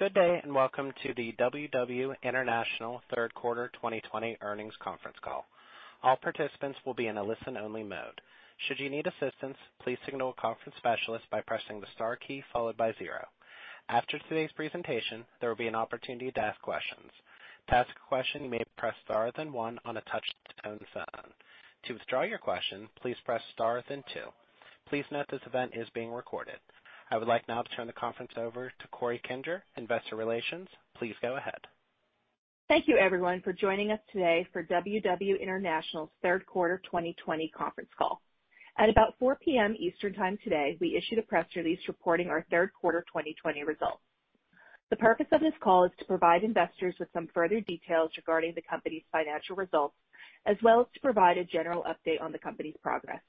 Good day. Welcome to the WW International third quarter 2020 earnings conference call. All participants will be in a listen-only mode. Should you need assistance please signal conference specialist by pressing star key followed by zero. After today's presentation, there will be an opportunity to ask questions. To ask a question you may press star then one on the touch-tone phone. To withdraw your question, please press star then two. Please note this event is being recorded. I would like now to turn the conference over to Corey Kinger, investor relations. Please go ahead. Thank you everyone for joining us today for WW International's third quarter 2020 conference call. At about 4:00 P.M. Eastern Time today, we issued a press release reporting our third quarter 2020 results. The purpose of this call is to provide investors with some further details regarding the company's financial results, as well as to provide a general update on the company's progress.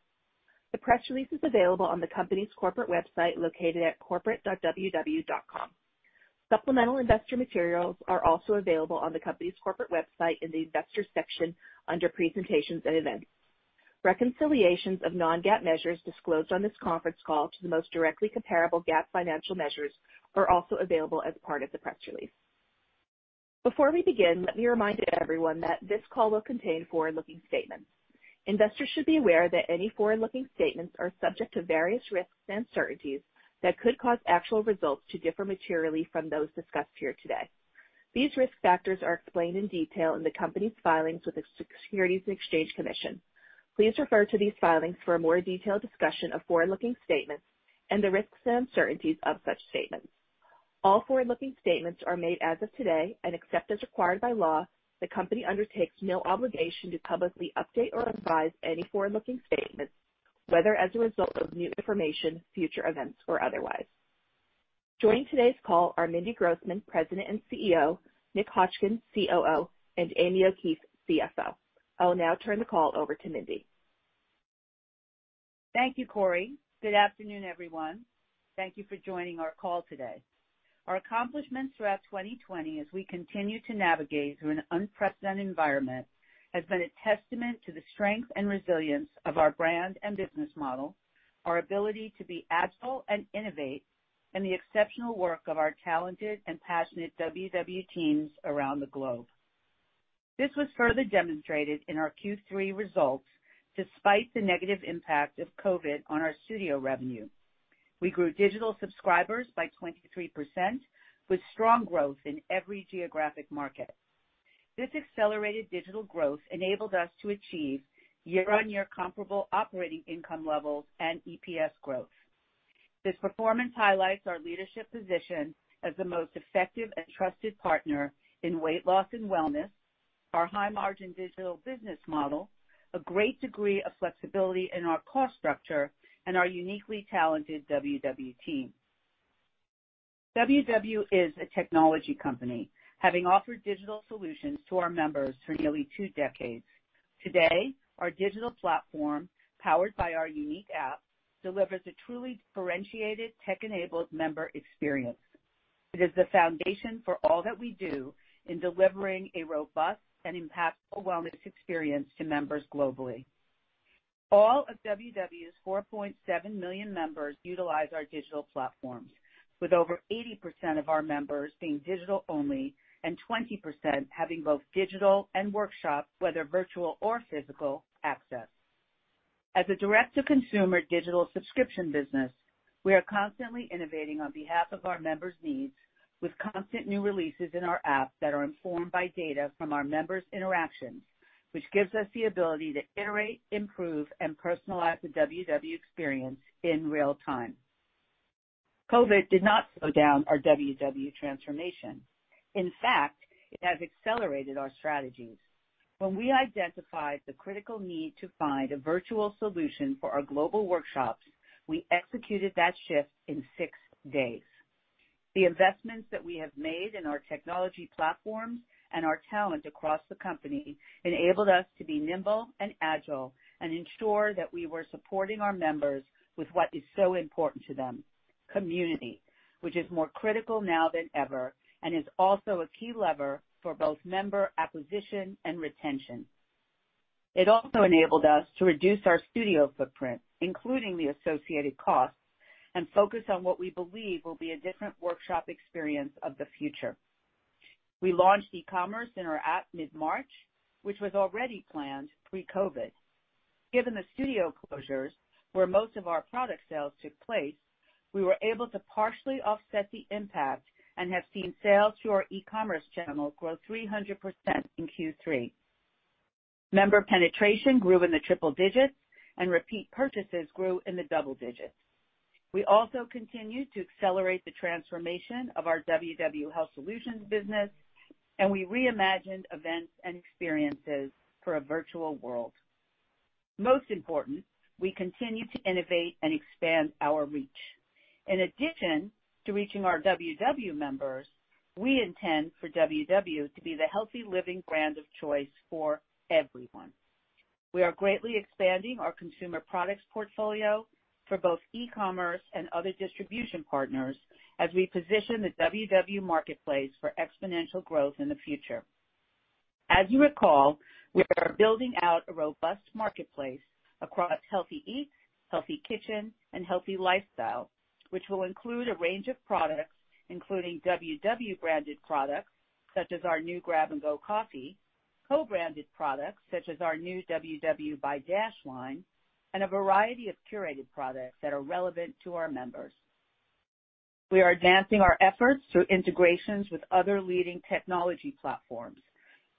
The press release is available on the company's corporate website located at corporate.ww.com. Supplemental investor materials are also available on the company's corporate website in the Investors section under Presentations and Events. Reconciliations of non-GAAP measures disclosed on this conference call to the most directly comparable GAAP financial measures are also available as part of the press release. Before we begin, let me remind everyone that this call will contain forward-looking statements. Investors should be aware that any forward-looking statements are subject to various risks and uncertainties that could cause actual results to differ materially from those discussed here today. These risk factors are explained in detail in the company's filings with the Securities and Exchange Commission. Please refer to these filings for a more detailed discussion of forward-looking statements and the risks and uncertainties of such statements. All forward-looking statements are made as of today, and except as required by law, the company undertakes no obligation to publicly update or revise any forward-looking statements, whether as a result of new information, future events, or otherwise. Joining today's call are Mindy Grossman, President and CEO, Nick Hotchkin, COO, and Amy O'Keefe, CFO. I will now turn the call over to Mindy. Thank you, Corey. Good afternoon, everyone. Thank you for joining our call today. Our accomplishments throughout 2020, as we continue to navigate through an unprecedented environment, has been a testament to the strength and resilience of our brand and business model, our ability to be agile and innovate, and the exceptional work of our talented and passionate WW teams around the globe. This was further demonstrated in our Q3 results, despite the negative impact of COVID-19 on our studio revenue. We grew digital subscribers by 23%, with strong growth in every geographic market. This accelerated digital growth enabled us to achieve year-on-year comparable operating income levels and EPS growth. This performance highlights our leadership position as the most effective and trusted partner in weight loss and wellness, our high-margin digital business model, a great degree of flexibility in our cost structure, and our uniquely talented WW team. WW is a technology company, having offered digital solutions to our members for nearly two decades. Today, our digital platform, powered by our unique app, delivers a truly differentiated tech-enabled member experience. It is the foundation for all that we do in delivering a robust and impactful wellness experience to members globally. All of WW's 4.7 million members utilize our digital platforms, with over 80% of our members being digital-only and 20% having both digital and workshop, whether virtual or physical, access. As a direct-to-consumer digital subscription business, we are constantly innovating on behalf of our members' needs with constant new releases in our app that are informed by data from our members' interactions, which gives us the ability to iterate, improve, and personalize the WW experience in real time. COVID-19 did not slow down our WW transformation. In fact, it has accelerated our strategies. When we identified the critical need to find a virtual solution for our global workshops, we executed that shift in six days. The investments that we have made in our technology platforms and our talent across the company enabled us to be nimble and agile and ensure that we were supporting our members with what is so important to them, community, which is more critical now than ever and is also a key lever for both member acquisition and retention. It also enabled us to reduce our studio footprint, including the associated costs, and focus on what we believe will be a different workshop experience of the future. We launched e-commerce in our app mid-March, which was already planned pre-COVID. Given the studio closures, where most of our product sales took place, we were able to partially offset the impact and have seen sales through our e-commerce channel grow 300% in Q3. Member penetration grew in the triple digits, and repeat purchases grew in the double digits. We also continued to accelerate the transformation of our WW Health Solutions business. We reimagined events and experiences for a virtual world. Most important, we continue to innovate and expand our reach. In addition to reaching our WW members, we intend for WW to be the healthy living brand of choice for everyone. We are greatly expanding our consumer products portfolio for both e-commerce and other distribution partners as we position the WW marketplace for exponential growth in the future. As you recall, we are building out a robust marketplace across Healthy Eats, Healthy Kitchen, and Healthy Lifestyle, which will include a range of products including WW branded products, such as our new Grab & Go Coffee, co-branded products such as our new WW by Dash line, and a variety of curated products that are relevant to our members. We are advancing our efforts through integrations with other leading technology platforms.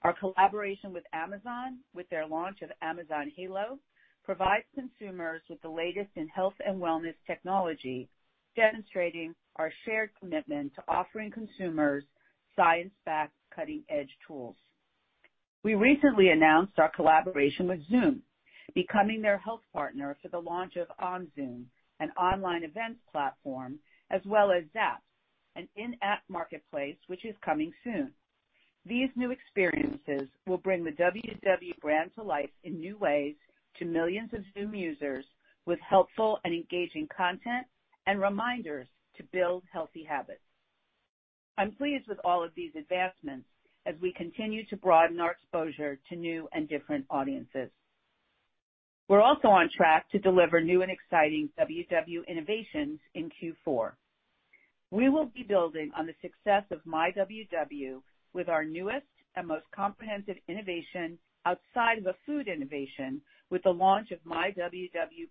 Our collaboration with Amazon, with their launch of Amazon Halo, provides consumers with the latest in health and wellness technology, demonstrating our shared commitment to offering consumers science-backed, cutting-edge tools. We recently announced our collaboration with Zoom, becoming their health partner for the launch of OnZoom, an online events platform, as well as Zapps, an in-app marketplace, which is coming soon. These new experiences will bring the WW brand to life in new ways to millions of Zoom users with helpful and engaging content and reminders to build healthy habits. I'm pleased with all of these advancements as we continue to broaden our exposure to new and different audiences. We're also on track to deliver new and exciting WW innovations in Q4. We will be building on the success of myWW with our newest and most comprehensive innovation outside of a food innovation with the launch of myWW+.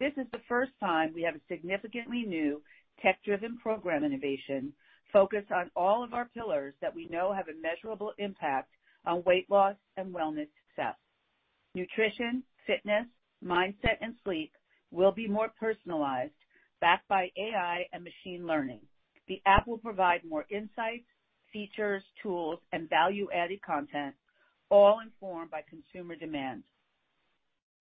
This is the first time we have a significantly new tech-driven program innovation focused on all of our pillars that we know have a measurable impact on weight loss and wellness success. Nutrition, fitness, mindset, and sleep will be more personalized, backed by AI and machine learning. The app will provide more insights, features, tools, and value-added content, all informed by consumer demand.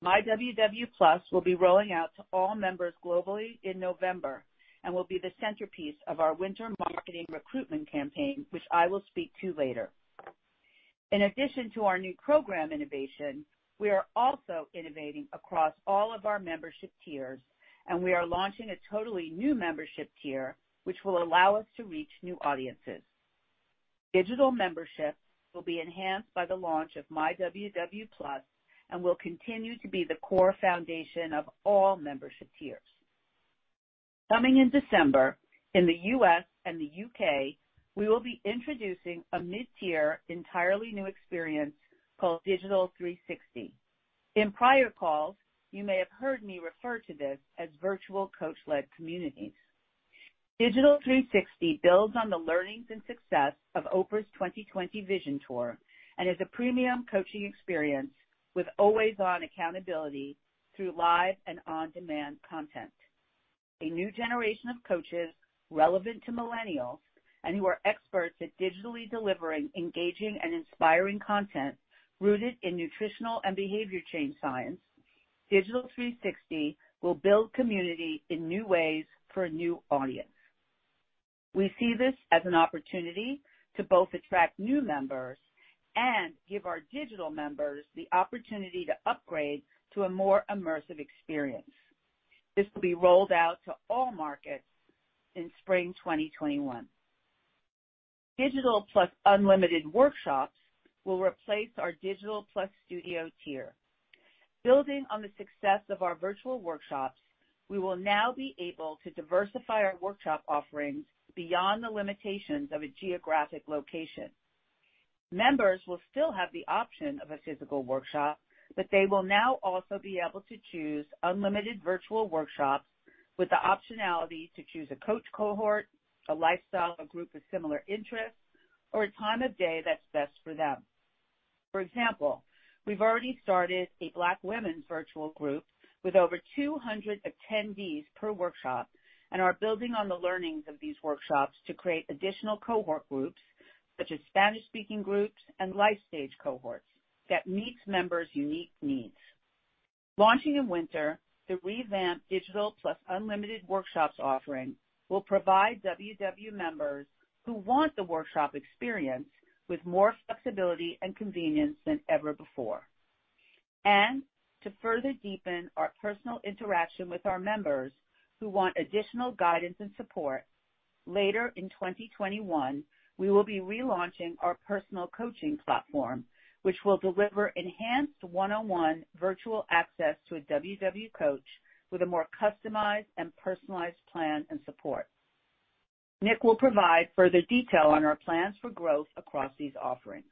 myWW+ will be rolling out to all members globally in November and will be the centerpiece of our winter marketing recruitment campaign, which I will speak to later. In addition to our new program innovation, we are also innovating across all of our membership tiers, and we are launching a totally new membership tier, which will allow us to reach new audiences. Digital membership will be enhanced by the launch of myWW+ and will continue to be the core foundation of all membership tiers. Coming in December, in the U.S. and the U.K., we will be introducing a mid-tier entirely new experience called Digital 360. In prior calls, you may have heard me refer to this as virtual coach-led communities. Digital 360 builds on the learnings and success of Oprah's 2020 Vision Tour and is a premium coaching experience with always-on accountability through live and on-demand content. A new generation of coaches relevant to millennials and who are experts at digitally delivering engaging and inspiring content rooted in nutritional and behavior change science, Digital 360 will build community in new ways for a new audience. We see this as an opportunity to both attract new members and give our digital members the opportunity to upgrade to a more immersive experience. This will be rolled out to all markets in spring 2021. Digital+ Unlimited Workshops will replace our Digital+ Studio tier. Building on the success of our virtual workshops, we will now be able to diversify our workshop offerings beyond the limitations of a geographic location. Members will still have the option of a physical workshop, but they will now also be able to choose unlimited virtual workshops with the optionality to choose a coach cohort, a lifestyle, a group of similar interests, or a time of day that's best for them. For example, we've already started a Black women's virtual group with over 200 attendees per workshop and are building on the learnings of these workshops to create additional cohort groups, such as Spanish-speaking groups and life stage cohorts that meets members' unique needs. Launching in winter, the revamped Digital+ Unlimited Workshops offering will provide WW members who want the workshop experience with more flexibility and convenience than ever before. To further deepen our personal interaction with our members who want additional guidance and support, later in 2021, we will be relaunching our personal coaching platform, which will deliver enhanced one-on-one virtual access to a WW coach with a more customized and personalized plan and support. Nick will provide further detail on our plans for growth across these offerings.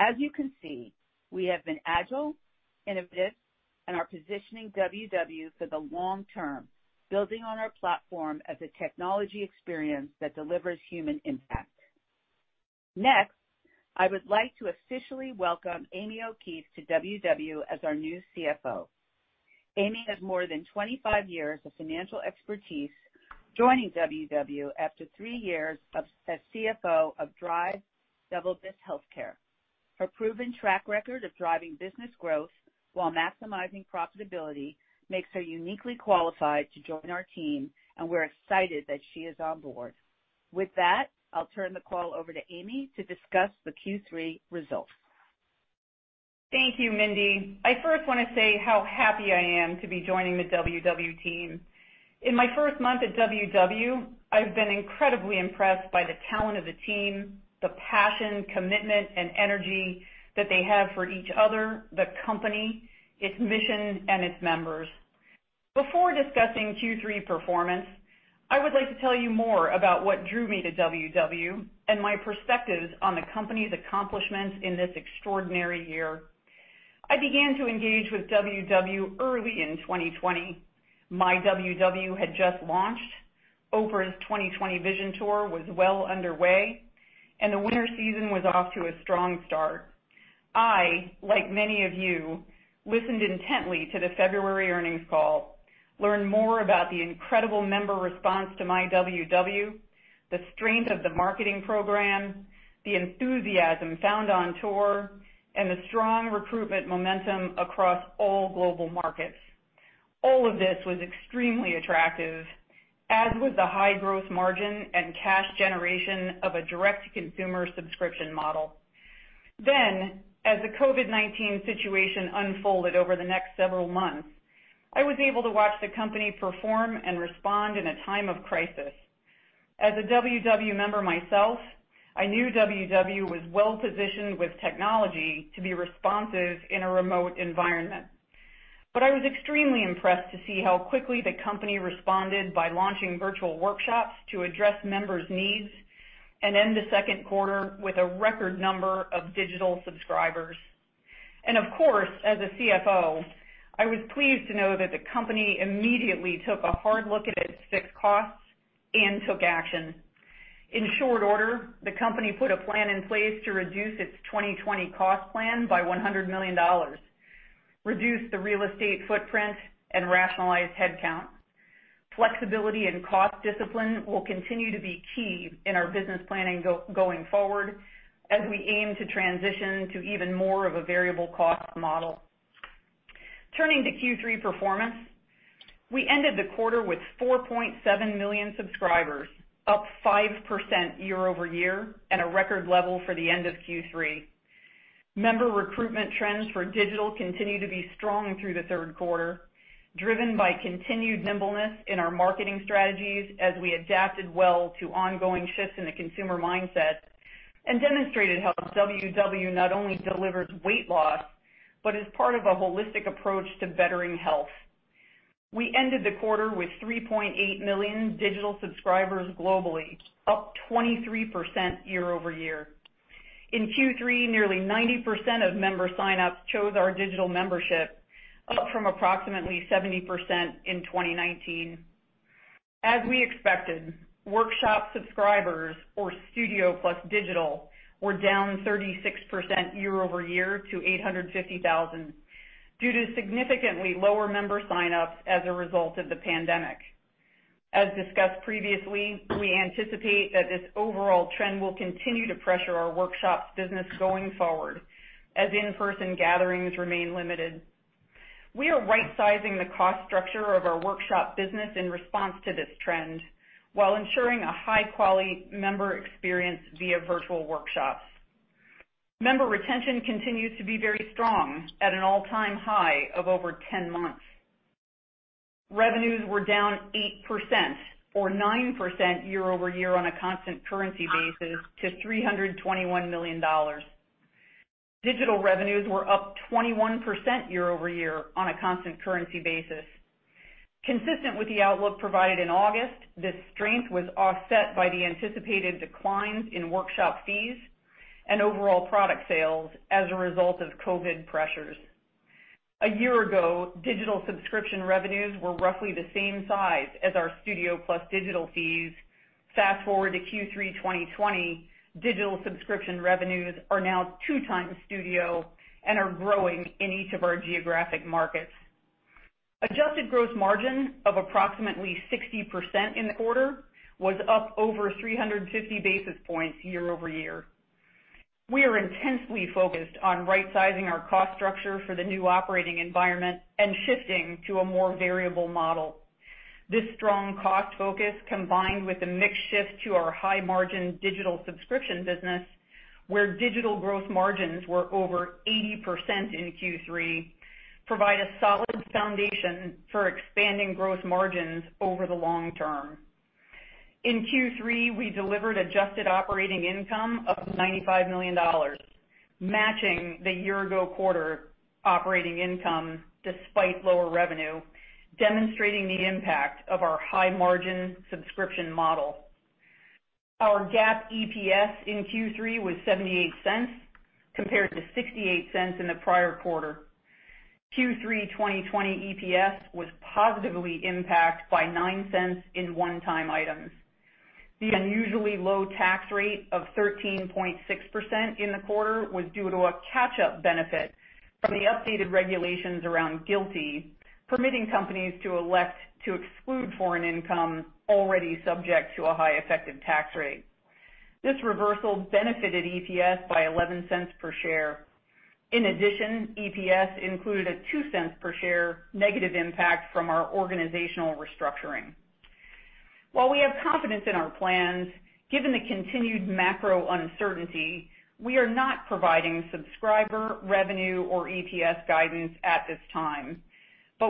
As you can see, we have been agile, innovative, and are positioning WW for the long term, building on our platform as a technology experience that delivers human impact. Next, I would like to officially welcome Amy O'Keefe to WW as our new CFO. Amy has more than 25 years of financial expertise, joining WW after three years as CFO of Drive DeVilbiss Healthcare. Her proven track record of driving business growth while maximizing profitability makes her uniquely qualified to join our team, and we're excited that she is on board. With that, I'll turn the call over to Amy to discuss the Q3 results. Thank you, Mindy. I first want to say how happy I am to be joining the WW team. In my first month at WW, I've been incredibly impressed by the talent of the team, the passion, commitment, and energy that they have for each other, the company, its mission, and its members. Before discussing Q3 performance, I would like to tell you more about what drew me to WW and my perspectives on the company's accomplishments in this extraordinary year. I began to engage with WW early in 2020. myWW had just launched, Oprah's 2020 Vision Tour was well underway, and the winter season was off to a strong start. I, like many of you, listened intently to the February earnings call, learned more about the incredible member response to myWW, the strength of the marketing program, the enthusiasm found on tour, and the strong recruitment momentum across all global markets. All of this was extremely attractive, as was the high gross margin and cash generation of a direct-to-consumer subscription model. As the COVID-19 situation unfolded over the next several months, I was able to watch the company perform and respond in a time of crisis. As a WW member myself, I knew WW was well-positioned with technology to be responsive in a remote environment. I was extremely impressed to see how quickly the company responded by launching virtual workshops to address members' needs and end the second quarter with a record number of digital subscribers. Of course, as a CFO, I was pleased to know that the company immediately took a hard look at its fixed costs and took action. In short order, the company put a plan in place to reduce its 2020 cost plan by $100 million, reduce the real estate footprint, and rationalize headcount. Flexibility and cost discipline will continue to be key in our business planning going forward as we aim to transition to even more of a variable cost model. Turning to Q3 performance, we ended the quarter with 4.7 million subscribers, up 5% year-over-year, at a record level for the end of Q3. Member recruitment trends for digital continued to be strong through the third quarter, driven by continued nimbleness in our marketing strategies as we adapted well to ongoing shifts in the consumer mindset and demonstrated how WW not only delivers weight loss but is part of a holistic approach to bettering health. We ended the quarter with 3.8 million digital subscribers globally, up 23% year-over-year. In Q3, nearly 90% of member sign-ups chose our digital membership, up from approximately 70% in 2019. As we expected, workshop subscribers or Digital+ Studio were down 36% year-over-year to 850,000 due to significantly lower member sign-ups as a result of the pandemic. As discussed previously, we anticipate that this overall trend will continue to pressure our workshops business going forward, as in-person gatherings remain limited. We are rightsizing the cost structure of our workshop business in response to this trend while ensuring a high-quality member experience via virtual workshops. Member retention continues to be very strong at an all-time high of over 10 months. Revenues were down 8%, or 9% year-over-year on a constant currency basis, to $321 million. Digital revenues were up 21% year-over-year on a constant currency basis. Consistent with the outlook provided in August, this strength was offset by the anticipated declines in Studio and workshop fees and overall product sales as a result of COVID pressures. A year ago, digital subscription revenues were roughly the same size as our Studio plus Digital fees. Fast-forward to Q3 2020, digital subscription revenues are now two times Studio and are growing in each of our geographic markets. Adjusted gross margin of approximately 60% in the quarter was up over 350 basis points year-over-year. We are intensely focused on rightsizing our cost structure for the new operating environment and shifting to a more variable model. This strong cost focus, combined with a mix shift to our high-margin digital subscription business, where digital gross margins were over 80% in Q3, provide a solid foundation for expanding gross margins over the long term. In Q3, we delivered adjusted operating income of $95 million, matching the year-ago quarter operating income despite lower revenue, demonstrating the impact of our high-margin subscription model. Our GAAP EPS in Q3 was $0.78 compared to $0.68 in the prior quarter. Q3 2020 EPS was positively impacted by $0.09 in one-time items. The unusually low tax rate of 13.6% in the quarter was due to a catch-up benefit from the updated regulations around GILTI, permitting companies to elect to exclude foreign income already subject to a high effective tax rate. This reversal benefited EPS by $0.11 per share. In addition, EPS included a $0.02 per share negative impact from our organizational restructuring. While we have confidence in our plans, given the continued macro uncertainty, we are not providing subscriber revenue or EPS guidance at this time.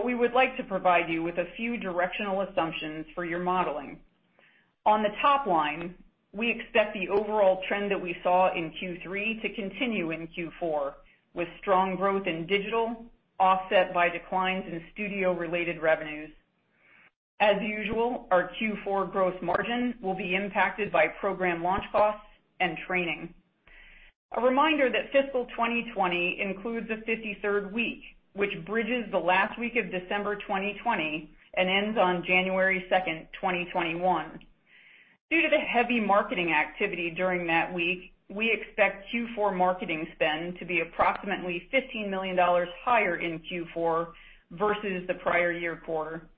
We would like to provide you with a few directional assumptions for your modeling. On the top line, we expect the overall trend that we saw in Q3 to continue in Q4, with strong growth in digital offset by declines in studio-related revenues. As usual, our Q4 gross margin will be impacted by program launch costs and training. A reminder that fiscal 2020 includes a 53rd week, which bridges the last week of December 2020 and ends on January 2nd, 2021. Due to the heavy marketing activity during that week, we expect Q4 marketing spend to be approximately $15 million higher in Q4 versus the prior year quarter.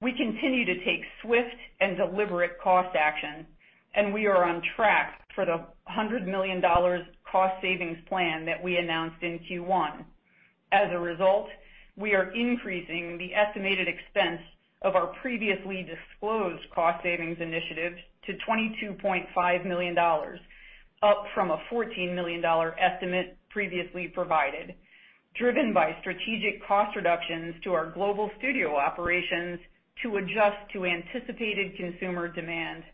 We continue to take swift and deliberate cost action, and we are on track for the $100 million cost savings plan that we announced in Q1. As a result, we are increasing the estimated expense of our previously disclosed cost savings initiatives to $22.5 million, up from a $14 million estimate previously provided, driven by strategic cost reductions to our global studio operations to adjust to anticipated consumer demand.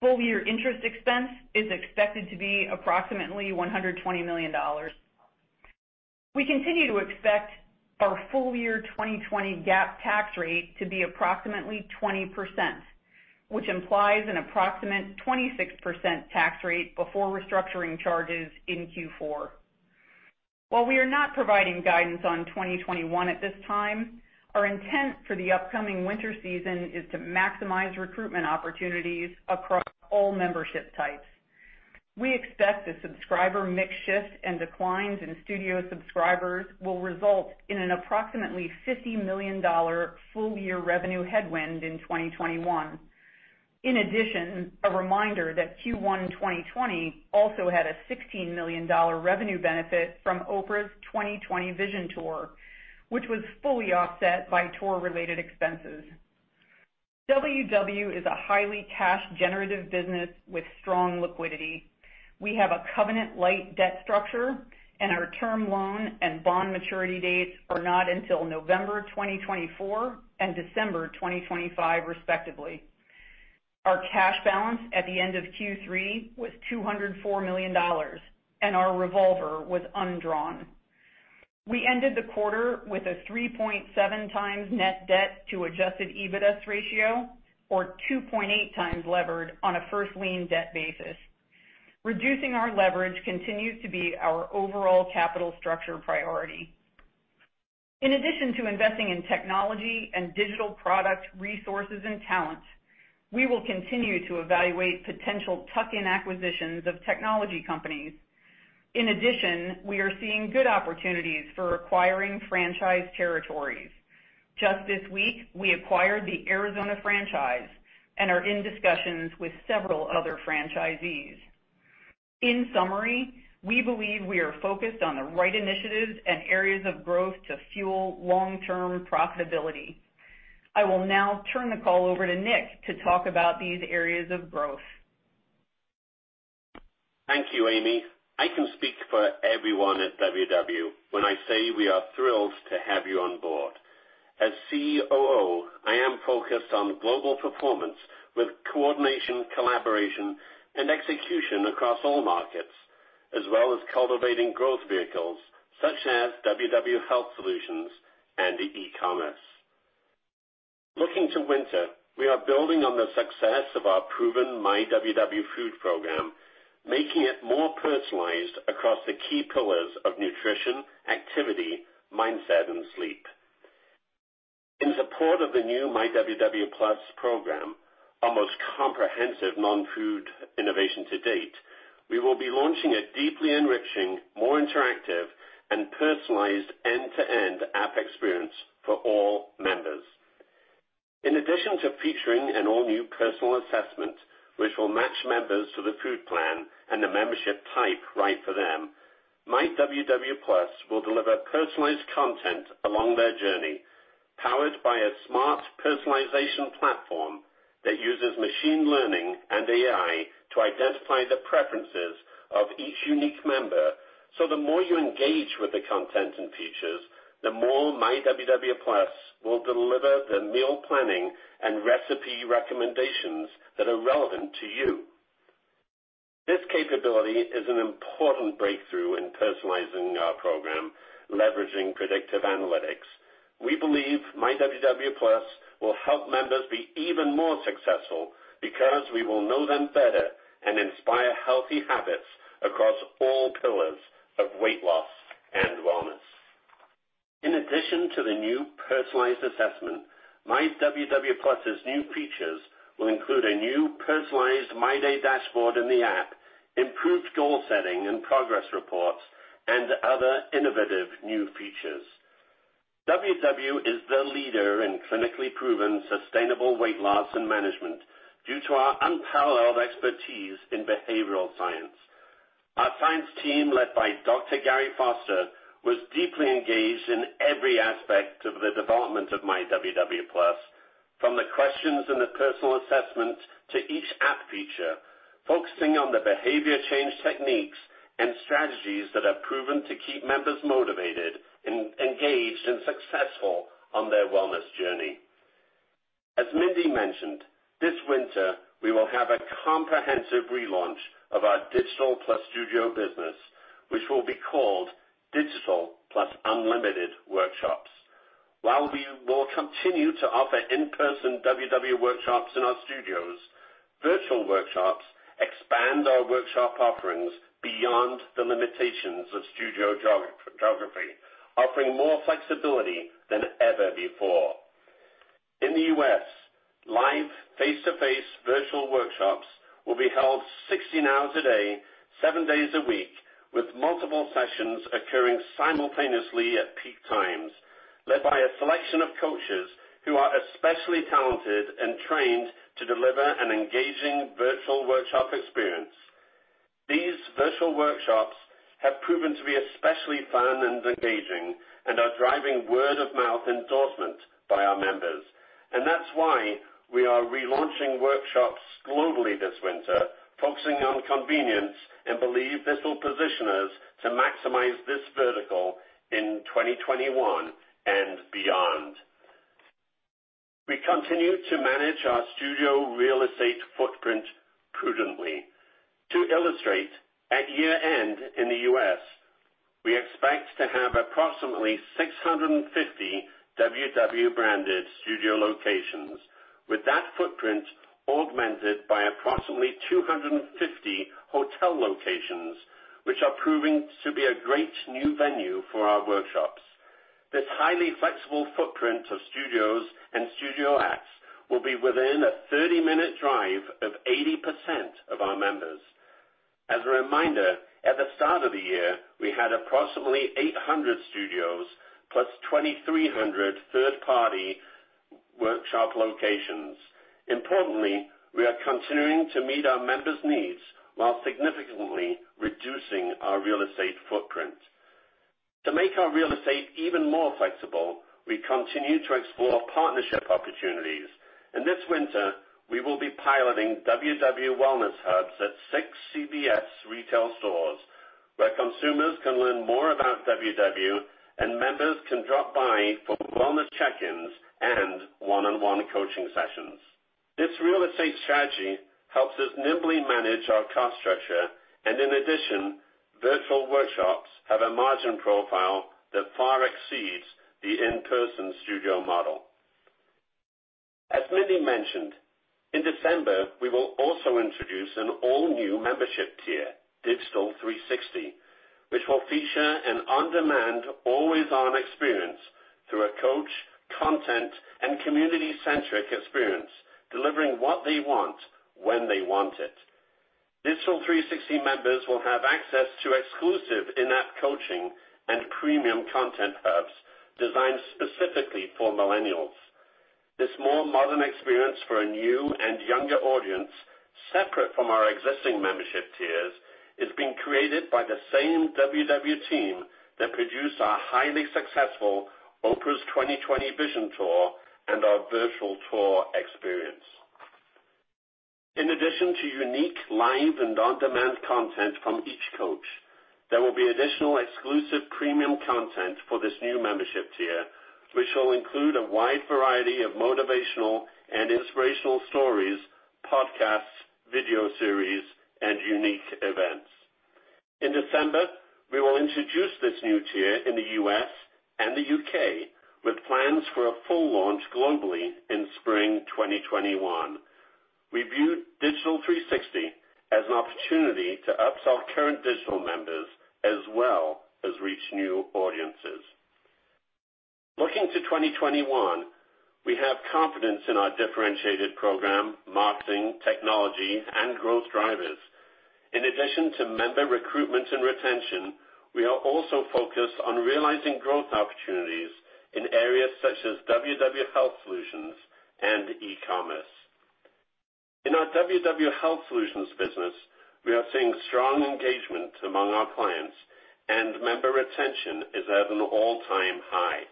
Full-year interest expense is expected to be approximately $120 million. We continue to expect our full-year 2020 GAAP tax rate to be approximately 20%, which implies an approximate 26% tax rate before restructuring charges in Q4. While we are not providing guidance on 2021 at this time, our intent for the upcoming winter season is to maximize recruitment opportunities across all membership types. We expect the subscriber mix shift and declines in studio subscribers will result in an approximately $50 million full-year revenue headwind in 2021. In addition, a reminder that Q1 2020 also had a $16 million revenue benefit from Oprah's 2020 Vision Tour, which was fully offset by tour-related expenses. WW is a highly cash-generative business with strong liquidity. We have a covenant-lite debt structure, and our term loan and bond maturity dates are not until November 2024 and December 2025, respectively. Our cash balance at the end of Q3 was $204 million, and our revolver was undrawn. We ended the quarter with a 3.7 times net debt to adjusted EBITDA ratio, or 2.8 times levered on a first lien debt basis. Reducing our leverage continues to be our overall capital structure priority. In addition to investing in technology and digital product resources and talent, we will continue to evaluate potential tuck-in acquisitions of technology companies. In addition, we are seeing good opportunities for acquiring franchise territories. Just this week, we acquired the Arizona franchise and are in discussions with several other franchisees. In summary, we believe we are focused on the right initiatives and areas of growth to fuel long-term profitability. I will now turn the call over to Nick to talk about these areas of growth. Thank you, Amy. I can speak for everyone at WW when I say we are thrilled to have you on board. As COO, I am focused on global performance with coordination, collaboration, and execution across all markets, as well as cultivating growth vehicles such as WW Health Solutions and e-commerce. Looking to winter, we are building on the success of our proven myWW food program, making it more personalized across the key pillars of nutrition, activity, mindset, and sleep. In support of the new myWW+ program, our most comprehensive non-food innovation to date, we will be launching a deeply enriching, more interactive, and personalized end-to-end app experience for all members. In addition to featuring an all-new personal assessment, which will match members to the food plan and the membership type right for them, myWW+ will deliver personalized content along their journey, powered by a smart personalization platform that uses machine learning and AI to identify the preferences of each unique member. The more you engage with the content and features, the more myWW+ will deliver the meal planning and recipe recommendations that are relevant to you. This capability is an important breakthrough in personalizing our program, leveraging predictive analytics. We believe myWW+ will help members be even more successful because we will know them better and inspire healthy habits across all pillars of weight loss and wellness. In addition to the new personalized assessment, myWW+'s new features will include a new personalized My Day dashboard in the app, improved goal setting and progress reports, and other innovative new features. WW is the leader in clinically proven sustainable weight loss and management due to our unparalleled expertise in behavioral science. Our science team, led by Dr. Gary Foster, was deeply engaged in every aspect of the development of myWW+, from the questions in the personal assessment to each app feature, focusing on the behavior change techniques and strategies that are proven to keep members motivated, engaged, and successful on their wellness journey. As Mindy mentioned, this winter, we will have a comprehensive relaunch of our Digital+ Studio business, which will be called Digital+ Unlimited Workshops. While we will continue to offer in-person WW workshops in our studios, virtual workshops expand our workshop offerings beyond the limitations of studio geography, offering more flexibility than ever before. In the U.S., live face-to-face virtual workshops will be held 16 hours a day, seven days a week, with multiple sessions occurring simultaneously at peak times, led by a selection of coaches who are especially talented and trained to deliver an engaging virtual workshop experience. These virtual workshops have proven to be especially fun and engaging and are driving word-of-mouth endorsement by our members. That's why we are relaunching workshops globally this winter, focusing on convenience, and believe this will position us to maximize this vertical in 2021 and beyond. We continue to manage our studio real estate footprint prudently. To illustrate, at year-end in the U.S., we expect to have approximately 650 WW-branded studio locations, with that footprint augmented by approximately 250 hotel locations, which are proving to be a great new venue for our workshops. This highly flexible footprint of studios and studiolets will be within a 30-minute drive of 80% of our members. As a reminder, at the start of the year, we had approximately 800 studios plus 2,300 third-party workshop locations. Importantly, we are continuing to meet our members' needs while significantly reducing our real estate footprint. To make our real estate even more flexible, we continue to explore partnership opportunities. This winter, we will be piloting WW wellness hubs at six CVS retail stores, where consumers can learn more about WW and members can drop by for wellness check-ins and one-on-one coaching sessions. This real estate strategy helps us nimbly manage our cost structure, and in addition, virtual workshops have a margin profile that far exceeds the in-person studio model. As Mindy mentioned, in December, we will also introduce an all-new membership tier, Digital 360, which will feature an on-demand, always-on experience through a coach, content, and community-centric experience, delivering what they want when they want it. Digital 360 members will have access to exclusive in-app coaching and premium content hubs designed specifically for millennials. This more modern experience for a new and younger audience, separate from our existing membership tiers, is being created by the same WW team that produced our highly successful Oprah's 2020 Vision Tour and our virtual tour experience. In addition to unique live and on-demand content from each coach, there will be additional exclusive premium content for this new membership tier, which will include a wide variety of motivational and inspirational stories, podcasts, video series, and unique events. In December, we will introduce this new tier in the U.S. and the U.K., with plans for a full launch globally in spring 2021. We view Digital 360 as an opportunity to upsell current digital members as well as reach new audiences. Looking to 2021, we have confidence in our differentiated program, marketing, technology, and growth drivers. In addition to member recruitment and retention, we are also focused on realizing growth opportunities in areas such as WW Health Solutions and e-commerce. In our WW Health Solutions business, we are seeing strong engagement among our clients, and member retention is at an all-time high.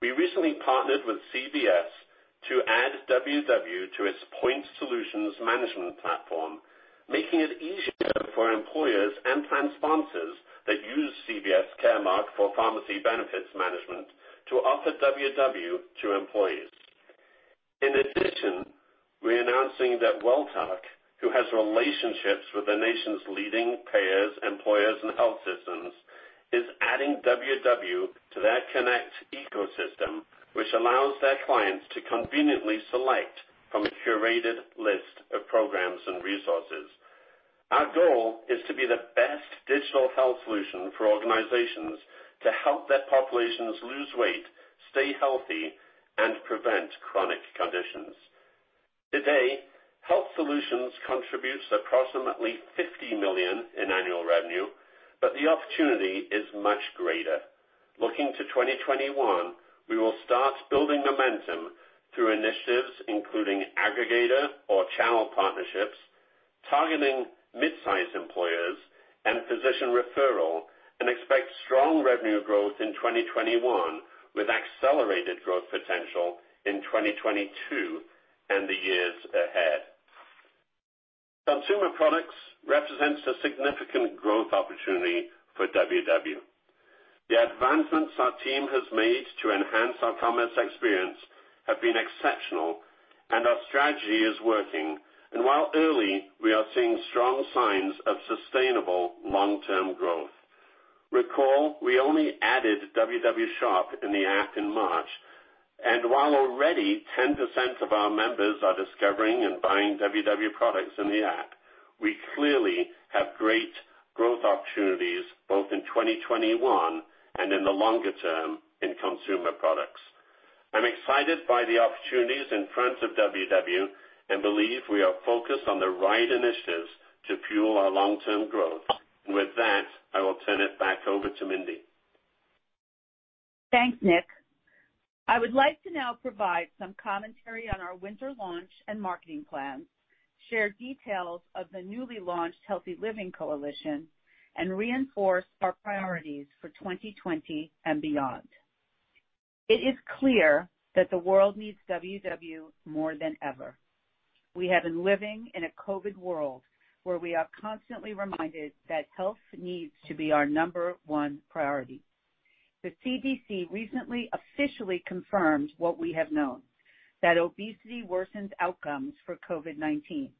We recently partnered with CVS to add WW to its point solutions management platform, making it easier for employers and plan sponsors that use CVS Caremark for pharmacy benefits management to offer WW to employees. In addition, we are announcing that Welltok, who has relationships with the nation's leading payers, employers, and health systems, is adding WW to their Connect ecosystem, which allows their clients to conveniently select from a curated list of programs and resources. Our goal is to be the best digital health solution for organizations to help their populations lose weight, stay healthy, and prevent chronic conditions. Today, Health Solutions contributes approximately $50 million in annual revenue. The opportunity is much greater. Looking to 2021, we will start building momentum through initiatives including aggregator or channel partnerships, targeting mid-size employers, and physician referral, and expect strong revenue growth in 2021, with accelerated growth potential in 2022 and the years ahead. Consumer products represents a significant growth opportunity for WW. The advancements our team has made to enhance our commerce experience have been exceptional, and our strategy is working. While early, we are seeing strong signs of sustainable long-term growth. Recall, we only added WW Shop in the app in March, and while already 10% of our members are discovering and buying WW products in the app, we clearly have great growth opportunities both in 2021, and in the longer term in consumer products. I'm excited by the opportunities in front of WW, and believe we are focused on the right initiatives to fuel our long-term growth. With that, I will turn it back over to Mindy. Thanks, Nick. I would like to now provide some commentary on our winter launch and marketing plans, share details of the newly launched Healthy Living Coalition, and reinforce our priorities for 2020 and beyond. It is clear that the world needs WW more than ever. We have been living in a COVID world where we are constantly reminded that health needs to be our number one priority. The CDC recently officially confirmed what we have known, that obesity worsens outcomes for COVID-19.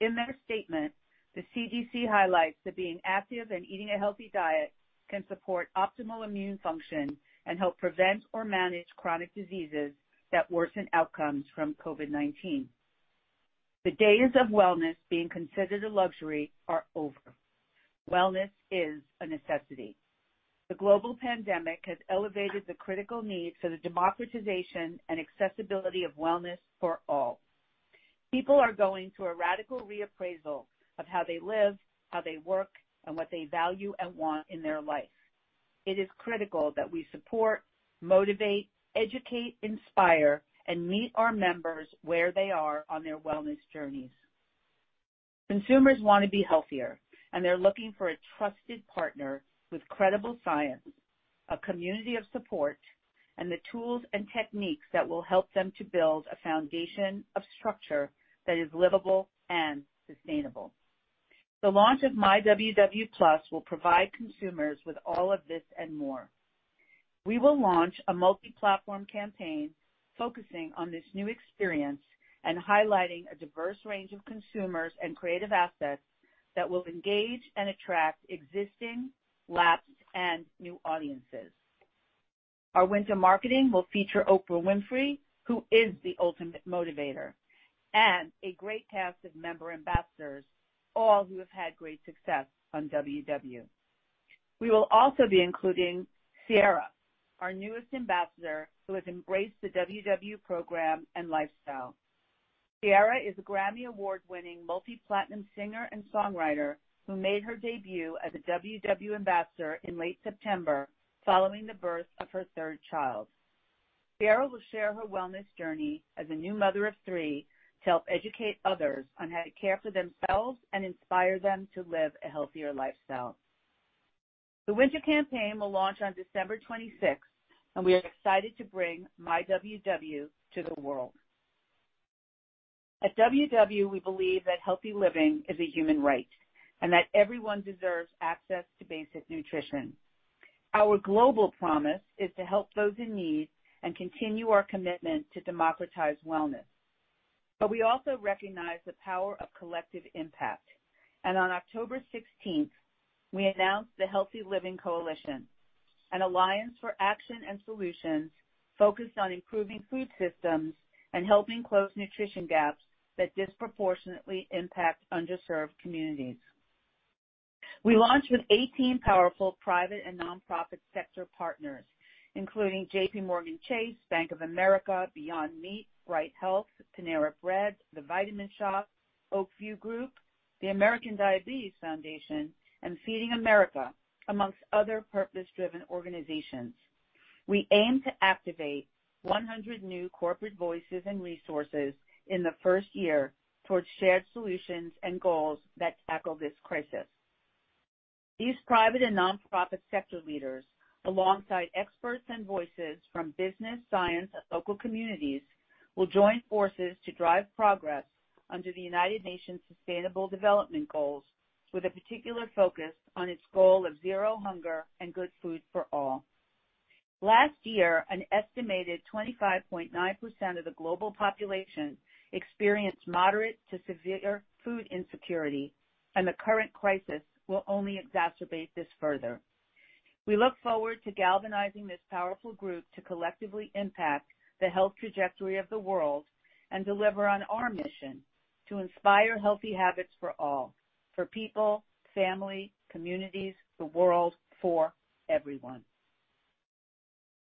In their statement, the CDC highlights that being active and eating a healthy diet can support optimal immune function and help prevent or manage chronic diseases that worsen outcomes from COVID-19. The days of wellness being considered a luxury are over. Wellness is a necessity. The global pandemic has elevated the critical need for the democratization and accessibility of wellness for all. People are going through a radical reappraisal of how they live, how they work, and what they value and want in their life. It is critical that we support, motivate, educate, inspire, and meet our members where they are on their wellness journeys. Consumers want to be healthier, and they're looking for a trusted partner with credible science, a community of support, and the tools and techniques that will help them to build a foundation of structure that is livable and sustainable. The launch of myWW+ will provide consumers with all of this and more. We will launch a multi-platform campaign focusing on this new experience and highlighting a diverse range of consumers and creative assets that will engage and attract existing, lapsed, and new audiences. Our winter marketing will feature Oprah Winfrey, who is the ultimate motivator, and a great cast of member ambassadors, all who have had great success on WW. We will also be including Ciara, our newest ambassador, who has embraced the WW program and lifestyle. Ciara is a GRAMMY Award-winning multi-platinum singer and songwriter who made her debut as a WW ambassador in late September following the birth of her third child. Ciara will share her wellness journey as a new mother of three to help educate others on how to care for themselves and inspire them to live a healthier lifestyle. The winter campaign will launch on December 26th, and we are excited to bring myWW to the world. At WW, we believe that healthy living is a human right and that everyone deserves access to basic nutrition. Our global promise is to help those in need and continue our commitment to democratize wellness. We also recognize the power of collective impact. On October 16th, we announced the Healthy Living Coalition, an alliance for action and solutions focused on improving food systems and helping close nutrition gaps that disproportionately impact underserved communities. We launched with 18 powerful private and nonprofit sector partners, including JPMorgan Chase, Bank of America, Beyond Meat, Bright Health, Panera Bread, The Vitamin Shoppe, Oak View Group, the American Diabetes Association, and Feeding America, amongst other purpose-driven organizations. We aim to activate 100 new corporate voices and resources in the first year towards shared solutions and goals that tackle this crisis. These private and nonprofit sector leaders, alongside experts and voices from business, science, and local communities, will join forces to drive progress under the United Nations Sustainable Development Goals with a particular focus on its goal of zero hunger and good food for all. Last year, an estimated 25.9% of the global population experienced moderate to severe food insecurity, and the current crisis will only exacerbate this further. We look forward to galvanizing this powerful group to collectively impact the health trajectory of the world and deliver on our mission to inspire healthy habits for all, for people, family, communities, the world, for everyone.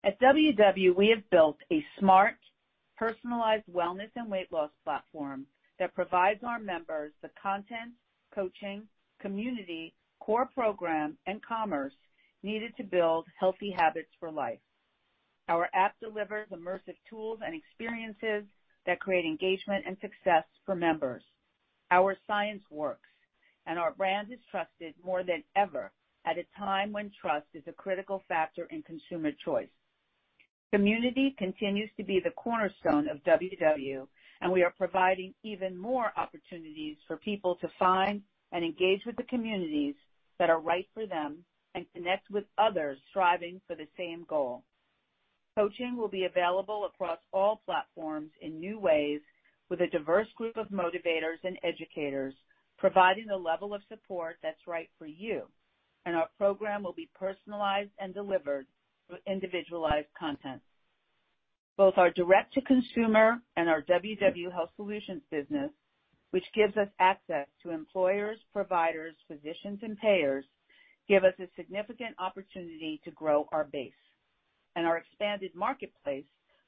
At WW, we have built a smart, personalized wellness and weight loss platform that provides our members the content, coaching, community, core program, and commerce needed to build healthy habits for life. Our app delivers immersive tools and experiences that create engagement and success for members. Our science works, our brand is trusted more than ever at a time when trust is a critical factor in consumer choice. Community continues to be the cornerstone of WW, and we are providing even more opportunities for people to find and engage with the communities that are right for them and connect with others striving for the same goal. Coaching will be available across all platforms in new ways with a diverse group of motivators and educators, providing the level of support that's right for you. Our program will be personalized and delivered through individualized content. Both our direct-to-consumer and our WW Health Solutions business, which gives us access to employers, providers, physicians, and payers, give us a significant opportunity to grow our base. Our expanded marketplace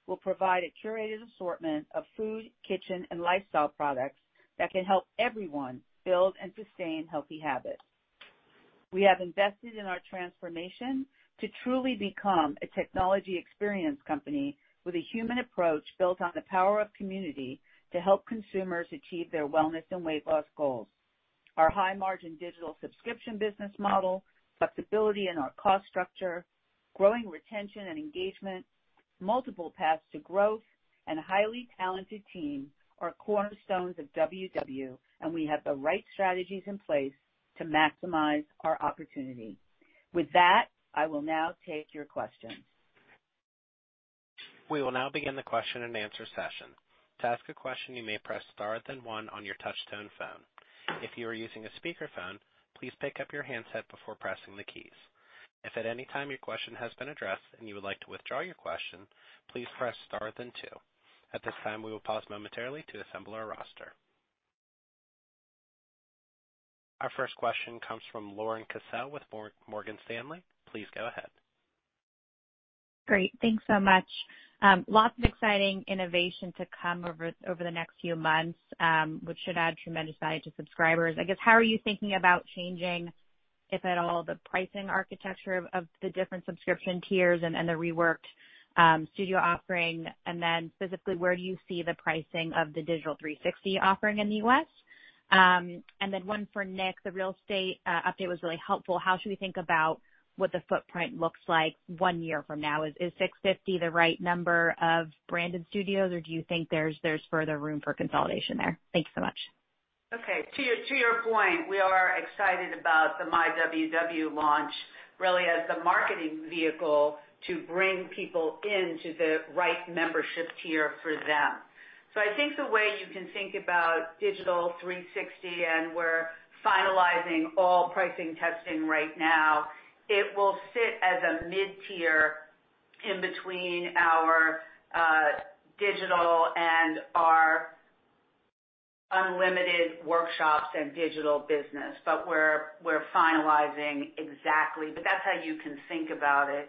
will provide a curated assortment of food, kitchen, and lifestyle products that can help everyone build and sustain healthy habits. We have invested in our transformation to truly become a technology experience company with a human approach built on the power of community to help consumers achieve their wellness and weight loss goals. Our high-margin digital subscription business model, flexibility in our cost structure, growing retention and engagement, multiple paths to growth, and a highly talented team are cornerstones of WW, and we have the right strategies in place to maximize our opportunity. With that, I will now take your questions. We will now begin the question and answer session. To ask a question you may press star then one on your touch-tone phone. If you are using a speaker phone, Please pick up your hand-set before pressing the keys. If at any time your question has been addressed and you would like to withdraw your question please press star two. At this time we will pause momentarily to assemble your roster. Our first question comes from Lauren Cassel with Morgan Stanley. Please go ahead. Great. Thanks so much. Lots of exciting innovation to come over the next few months, which should add tremendous value to subscribers. I guess, how are you thinking about changing, if at all, the pricing architecture of the different subscription tiers and the reworked studio offering? Specifically, where do you see the pricing of the Digital 360 offering in the U.S.? One for Nick. The real estate update was really helpful. How should we think about what the footprint looks like one year from now? Is 650 the right number of branded studios, or do you think there's further room for consolidation there? Thank you so much. To your point, we are excited about the myWW launch, really as the marketing vehicle to bring people into the right membership tier for them. I think the way you can think about Digital 360, and we're finalizing all pricing testing right now, it will sit as a mid-tier in between our Digital and our Unlimited Workshops and Digital business. We're finalizing exactly, that's how you can think about it.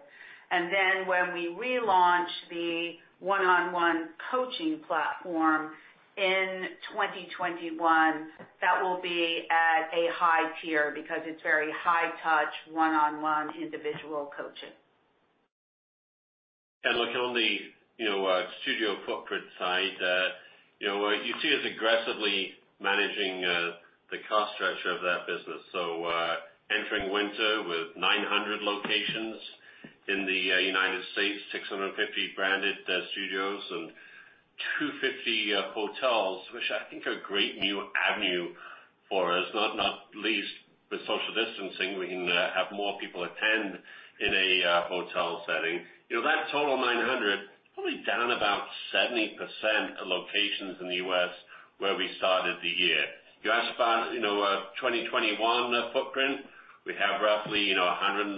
When we relaunch the one-on-one coaching platform in 2021, that will be at a high tier because it's very high touch, one-on-one individual coaching. Look, on the studio footprint side, you see us aggressively managing the cost structure of that business. Entering winter with 900 locations in the U.S., 650 branded studios and 250 hotels, which I think are a great new avenue for us, not least with social distancing, we can have more people attend in a hotel setting. That total 900, probably down about 70% of locations in the U.S. where we started the year. You ask about 2021 footprint. We have roughly 190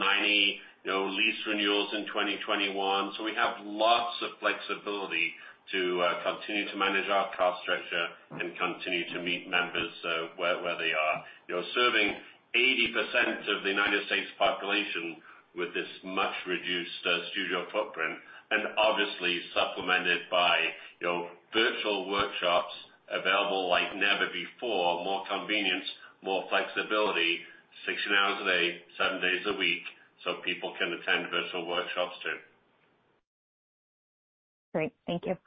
lease renewals in 2021. We have lots of flexibility to continue to manage our cost structure and continue to meet members where they are. Serving 80% of the United States population with this much reduced studio footprint, and obviously supplemented by virtual workshops available like never before, more convenience, more flexibility, 16 hours a day, seven days a week, so people can attend virtual workshops, too. Great. Thank you.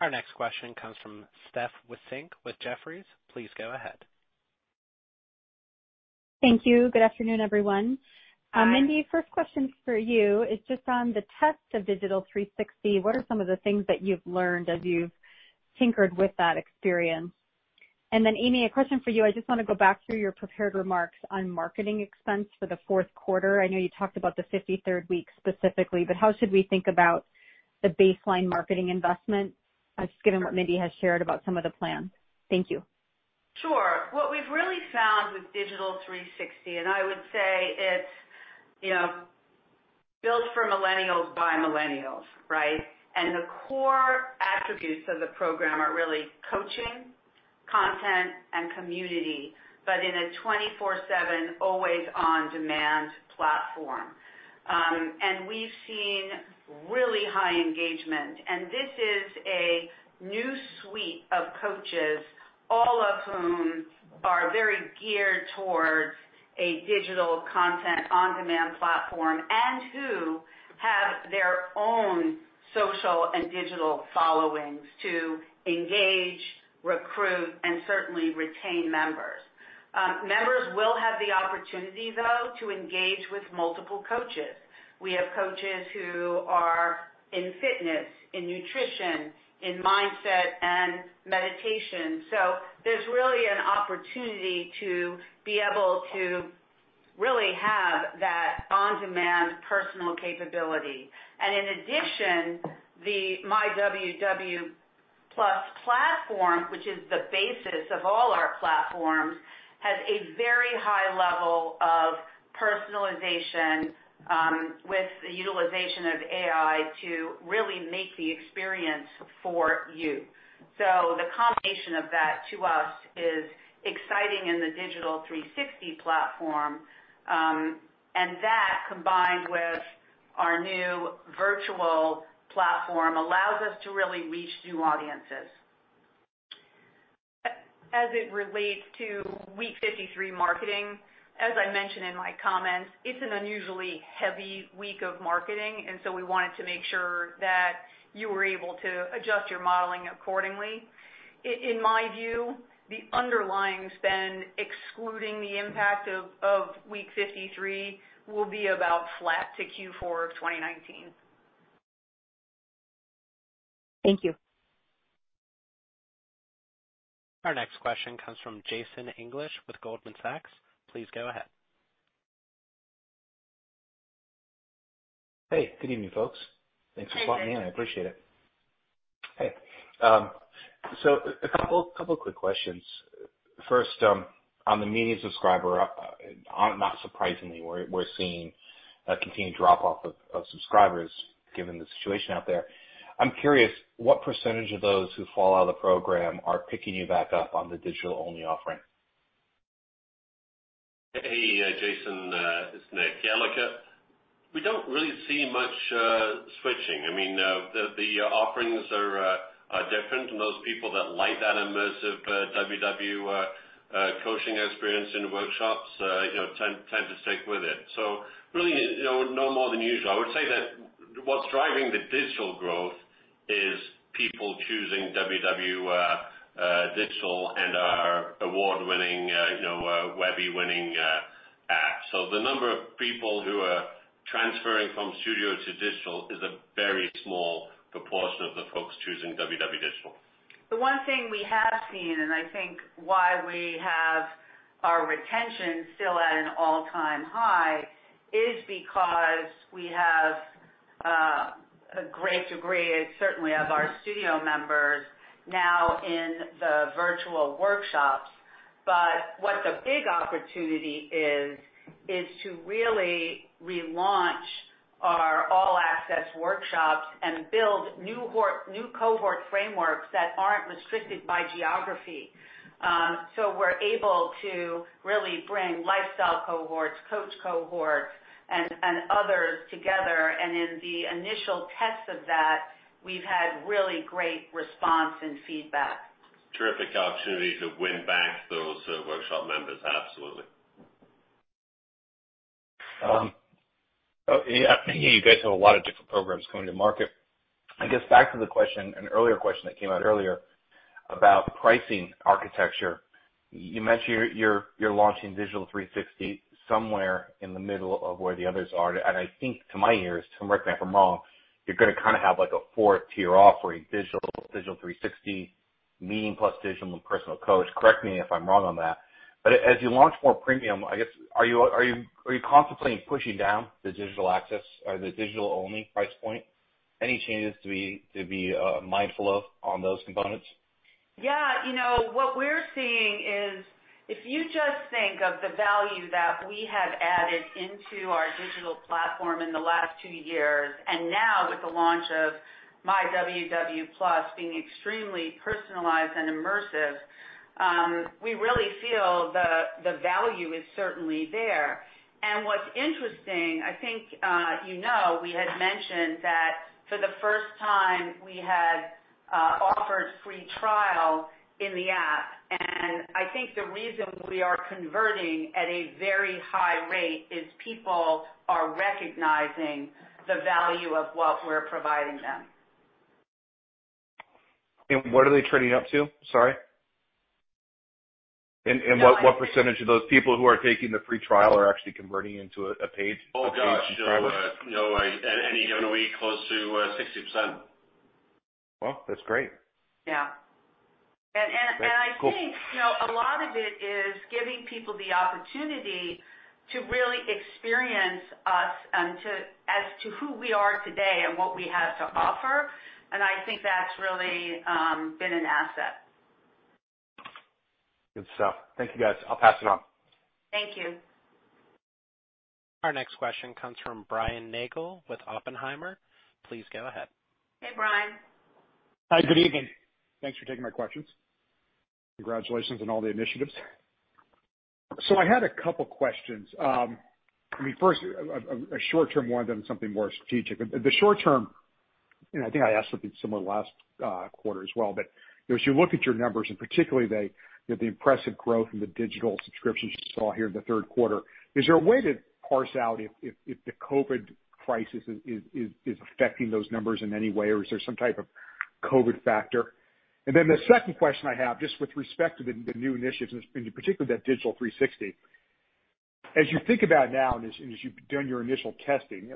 Our next question comes from Steph Wissink with Jefferies. Please go ahead. Thank you. Good afternoon, everyone. Hi. Mindy, first question's for you. It's just on the test of Digital 360. What are some of the things that you've learned as you've tinkered with that experience? Then Amy, a question for you. I just want to go back through your prepared remarks on marketing expense for the fourth quarter. I know you talked about the 53rd week specifically, but how should we think about the baseline marketing investment, just given what Mindy has shared about some of the plans? Thank you. Sure. What we've really found with Digital 360, and I would say it's built for millennials by millennials, right? The core attributes of the program are really coaching, content and community, in a 24/7 always on-demand platform. We've seen really high engagement. This is a new suite of coaches, all of whom are very geared towards a digital content on-demand platform, and who have their own social and digital followings to engage, recruit, and certainly retain members. Members will have the opportunity, though, to engage with multiple coaches. We have coaches who are in fitness, in nutrition, in mindset, and meditation. There's really an opportunity to be able to really have that on-demand personal capability. In addition, the myWW+ platform, which is the basis of all our platforms, has a very high level of personalization with the utilization of AI to really make the experience for you. The combination of that, to us, is exciting in the Digital 360 platform. That, combined with our new virtual platform, allows us to really reach new audiences. As it relates to week 53 marketing, as I mentioned in my comments, it is an unusually heavy week of marketing. We wanted to make sure that you were able to adjust your modeling accordingly. In my view, the underlying spend, excluding the impact of week 53, will be about flat to Q4 of 2019. Thank you. Our next question comes from Jason English with Goldman Sachs. Please go ahead. Hey, good evening, folks. Hi, Jason. Thanks for letting me in. I appreciate it. Hey, a couple quick questions. First, on the media subscriber, not surprisingly, we're seeing a continued drop-off of subscribers given the situation out there. I'm curious what % of those who fall out of the program are picking you back up on the digital-only offering? Hey, Jason. It's Nick. We don't really see much switching. The offerings are different, and those people that like that immersive WW coaching experience in workshops tend to stick with it. Really, no more than usual. I would say that what's driving the digital growth is people choosing WW Digital and our award-winning, Webby-winning app. The number of people who are transferring from studio to digital is a very small proportion of the folks choosing WW Digital. The one thing we have seen, and I think why we have our retention still at an all-time high, is because we have a great degree, certainly of our studio members now in the virtual workshops. What the big opportunity is to really relaunch our all-access workshops and build new cohort frameworks that aren't restricted by geography. We're able to really bring lifestyle cohorts, coach cohorts, and others together, and in the initial tests of that, we've had really great response and feedback. Terrific opportunity to win back those workshop members. Absolutely. You guys have a lot of different programs coming to market. I guess back to an earlier question that came out earlier about pricing architecture. You mentioned you're launching Digital 360 somewhere in the middle of where the others are. I think to my ears, correct me if I'm wrong, you're going to have a 4th-tier offering, Digital 360 meeting plus digital and personal coach. Correct me if I'm wrong on that. As you launch more premium, I guess, are you contemplating pushing down the digital access or the digital-only price point? Any changes to be mindful of on those components? Yeah. What we're seeing is if you just think of the value that we have added into our digital platform in the last two years, and now with the launch of myWW+ being extremely personalized and immersive, we really feel the value is certainly there. What's interesting, I think you know, we had mentioned that for the first time, we had offered free trial in the app. I think the reason we are converting at a very high rate is people are recognizing the value of what we're providing them. What are they trading up to? Sorry. What percentage of those people who are taking the free trial are actually converting into a paid subscriber? Oh, gosh, any given week, close to 60%. Wow, that's great. Yeah. Great. Cool. I think, a lot of it is giving people the opportunity to really experience us as to who we are today and what we have to offer. I think that's really been an asset. Good stuff. Thank you, guys. I'll pass it on. Thank you. Our next question comes from Brian Nagel with Oppenheimer. Please go ahead. Hey, Brian. Hi, good evening. Thanks for taking my questions. Congratulations on all the initiatives. I had a couple questions. First, a short-term one, then something more strategic. The short-term, and I think I asked something similar last quarter as well, but as you look at your numbers, and particularly the impressive growth in the digital subscriptions you saw here in the third quarter, is there a way to parse out if the COVID crisis is affecting those numbers in any way, or is there some type of COVID factor? The second question I have, just with respect to the new initiatives, and in particular that Digital 360. As you think about now, as you've done your initial testing,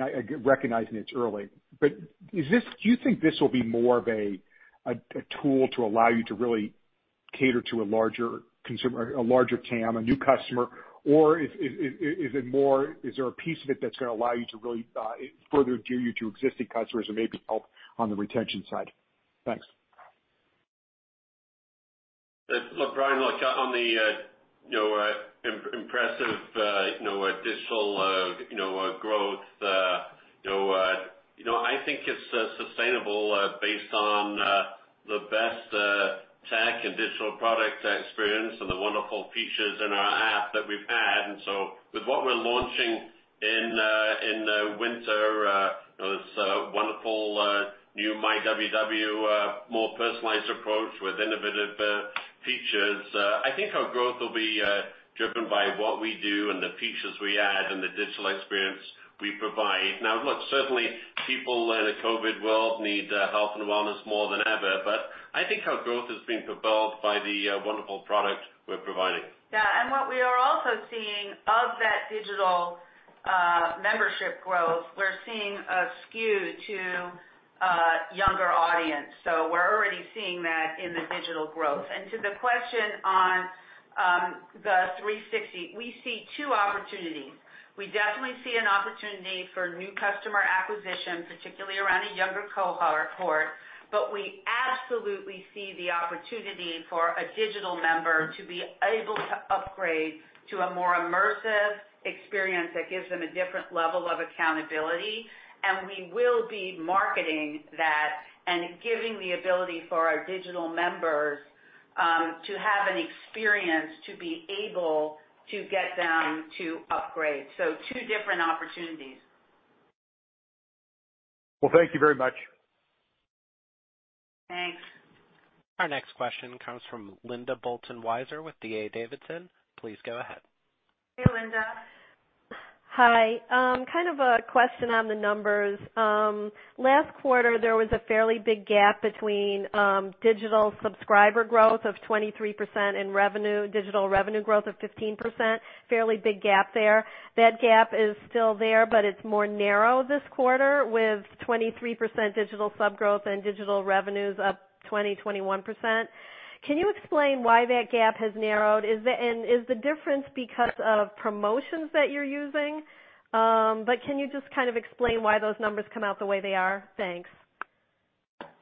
I recognize it's early, but do you think this will be more of a tool to allow you to really cater to a larger TAM, a new customer, or is there a piece of it that's going to allow you to really further endear you to existing customers and maybe help on the retention side? Thanks. Look, Brian, on the impressive digital growth, I think it's sustainable based on the best tech and digital product experience and the wonderful features in our app that we've had. With what we're launching in the winter, this wonderful new myWW, a more personalized approach with innovative features. I think our growth will be driven by what we do and the features we add and the digital experience we provide. Certainly people in a COVID world need health and wellness more than ever, but I think our growth is being propelled by the wonderful product we're providing. Yeah, what we are also seeing of that digital membership growth, we're seeing a skew to a younger audience. We're already seeing that in the digital growth. To the question on the 360, we see two opportunities. We definitely see an opportunity for new customer acquisition, particularly around a younger cohort, but we absolutely see the opportunity for a digital member to be able to upgrade to a more immersive experience that gives them a different level of accountability. We will be marketing that and giving the ability for our digital members to have an experience to be able to get them to upgrade. Two different opportunities. Well, thank you very much. Thanks. Our next question comes from Linda Bolton Weiser with D.A. Davidson. Please go ahead. Hey, Linda. Hi. Kind of a question on the numbers. Last quarter, there was a fairly big gap between digital subscriber growth of 23% in revenue, digital revenue growth of 15%, fairly big gap there. That gap is still there, but it's more narrow this quarter with 23% digital sub growth and digital revenues up 20%, 21%. Can you explain why that gap has narrowed? Is the difference because of promotions that you're using? Can you just kind of explain why those numbers come out the way they are? Thanks.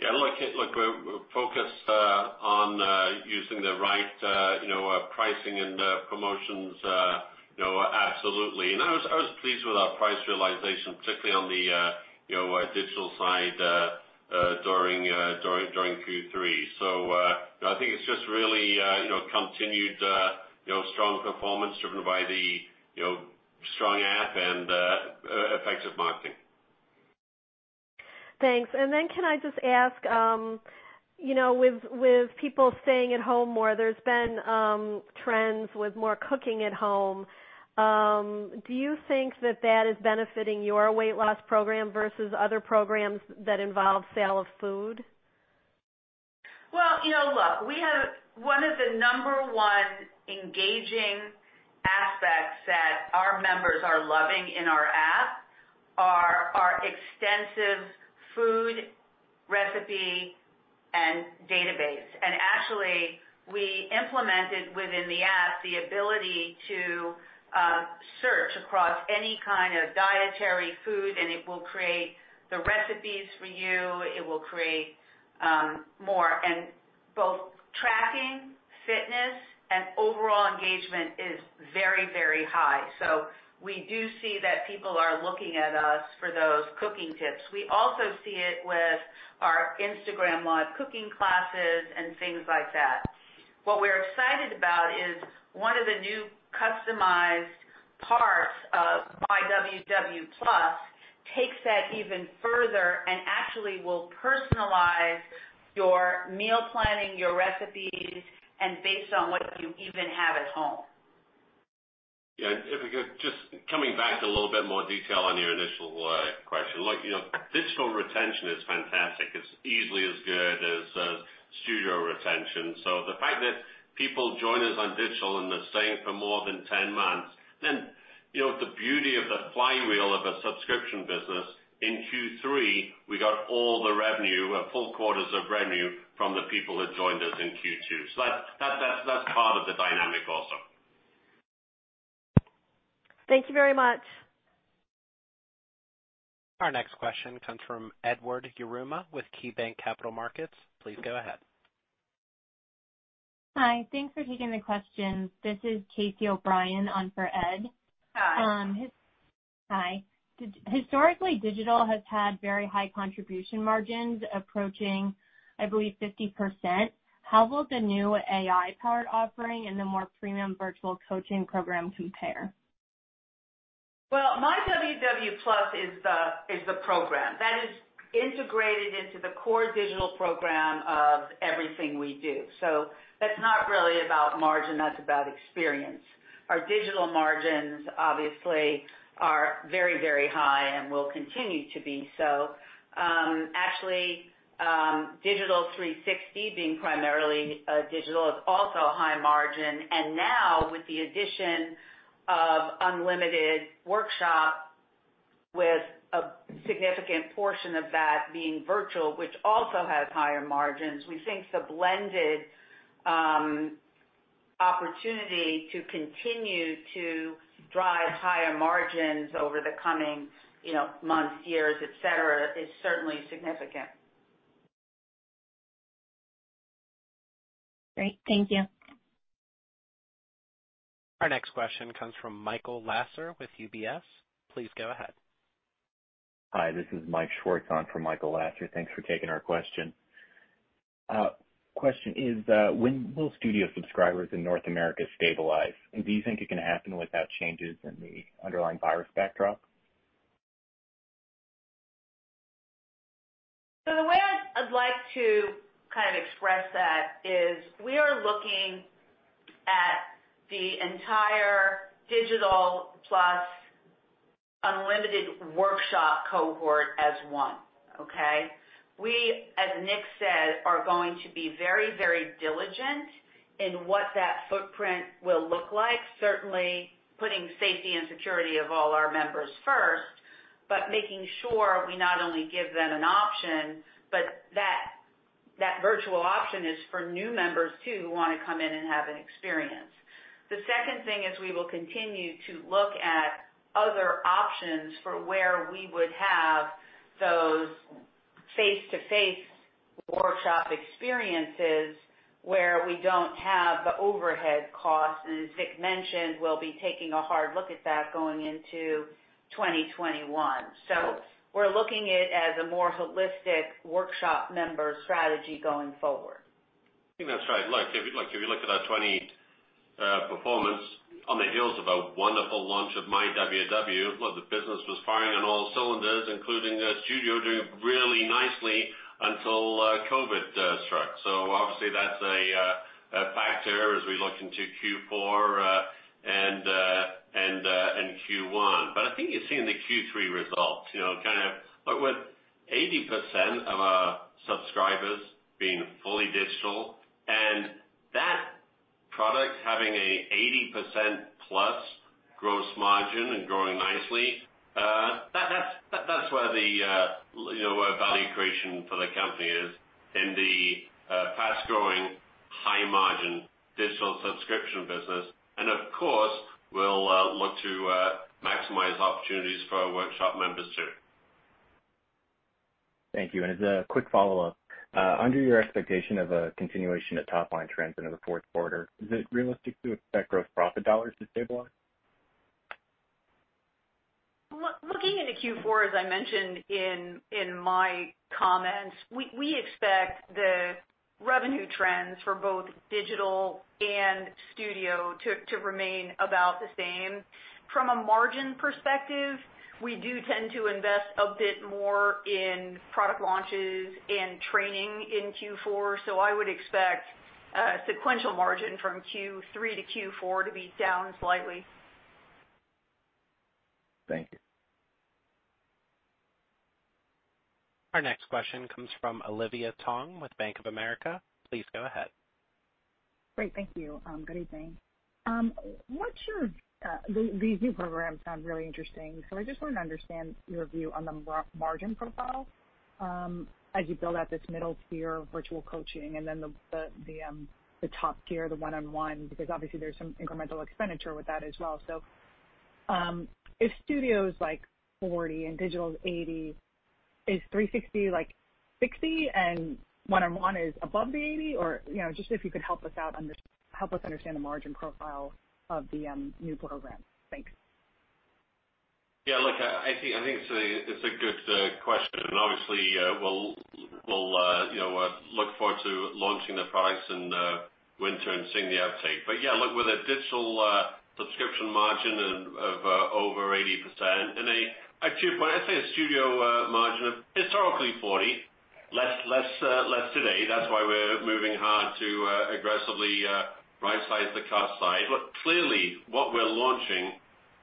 Yeah, look, we're focused on using the right pricing and promotions absolutely. I was pleased with our price realization, particularly on the digital side during Q3. I think it's just really continued strong performance driven by the strong app and effective marketing. Thanks. Can I just ask, with people staying at home more, there's been trends with more cooking at home. Do you think that that is benefiting your weight loss program versus other programs that involve sale of food? Well, look, one of the number one engaging aspects that our members are loving in our app are our extensive food recipe and database. Actually, we implemented within the app the ability to search across any kind of dietary food, and it will create the recipes for you. It will create more. Both tracking, fitness, and overall engagement is very, very high. We do see that people are looking at us for those cooking tips. We also see it with our Instagram Live cooking classes and things like that. What we're excited about is one of the new customized parts of myWW+ takes that even further and actually will personalize your meal planning, your recipes, and based on what you even have at home. Yeah, just coming back to a little bit more detail on your initial question. Look, digital retention is fantastic. It's easily as good as studio retention. The fact that people join us on digital and they're staying for more than 10 months, then the beauty of the flywheel of a subscription business, in Q3, we got all the revenue, a full quarters of revenue from the people that joined us in Q2. That's part of the dynamic also. Thank you very much. Our next question comes from Edward Yruma with KeyBanc Capital Markets. Please go ahead. Hi. Thanks for taking the questions. This is Kasey O'Brien on for Ed. Hi. Hi. Historically, digital has had very high contribution margins approaching, I believe, 50%. How will the new AI-powered offering and the more premium virtual coaching program compare? Well, myWW+ is the program that is integrated into the core digital program of everything we do. That's not really about margin, that's about experience. Our digital margins obviously are very high and will continue to be so. Actually, Digital 360 being primarily digital is also high margin, and now with the addition of Unlimited Workshops, with a significant portion of that being virtual, which also has higher margins, we think the blended opportunity to continue to drive higher margins over the coming months, years, et cetera, is certainly significant. Great. Thank you. Our next question comes from Michael Lasser with UBS. Please go ahead. Hi, this is Mike Schwartz on for Michael Lasser. Thanks for taking our question. Question is, when will Studio subscribers in North America stabilize? Do you think it can happen without changes in the underlying virus backdrop? The way I'd like to kind of express that is we are looking at the entire Digital+ Unlimited Workshops cohort as one. Okay? We, as Nick said, are going to be very diligent in what that footprint will look like, certainly putting safety and security of all our members first, but making sure we not only give them an option, but that virtual option is for new members too, who want to come in and have an experience. The second thing is we will continue to look at other options for where we would have those face-to-face workshop experiences where we don't have the overhead costs. As Nick mentioned, we'll be taking a hard look at that going into 2021. We're looking it as a more holistic workshop member strategy going forward. I think that's right. Look, if you look at our 2020 performance on the heels of a wonderful launch of myWW, look, the business was firing on all cylinders, including the Studio doing really nicely until COVID struck. Obviously that's a factor as we look into Q4 and Q1. I think you see in the Q3 results, with 80% of our subscribers being fully digital and that product having an 80% plus gross margin and growing nicely, that's where the value creation for the company is in the fast-growing, high-margin digital subscription business. Of course, we'll look to maximize opportunities for our workshop members, too. Thank you. As a quick follow-up, under your expectation of a continuation of top-line trends into the fourth quarter, is it realistic to expect gross profit dollars to stabilize? Looking into Q4, as I mentioned in my comments, we expect the revenue trends for both Digital and Studio to remain about the same. From a margin perspective, we do tend to invest a bit more in product launches and training in Q4, so I would expect sequential margin from Q3 to Q4 to be down slightly. Thank you. Our next question comes from Olivia Tong with Bank of America. Please go ahead. Great, thank you. Good evening. These new programs sound really interesting. I just wanted to understand your view on the margin profile as you build out this middle tier of virtual coaching and then the top tier, the one-on-one, because obviously there's some incremental expenditure with that as well. If Studio is like 40% and Digital is 80%, is Digital 360 like 60% and one-on-one is above the 80%? Just if you could help us understand the margin profile of the new program. Thanks. Yeah, look, I think it's a good question, and obviously, we'll look forward to launching the products in the winter and seeing the uptake. Yeah, look, with a digital subscription margin of over 80% and a studio margin of historically 40, less today. That's why we're moving hard to aggressively right-size the cost side. Look, clearly what we're launching,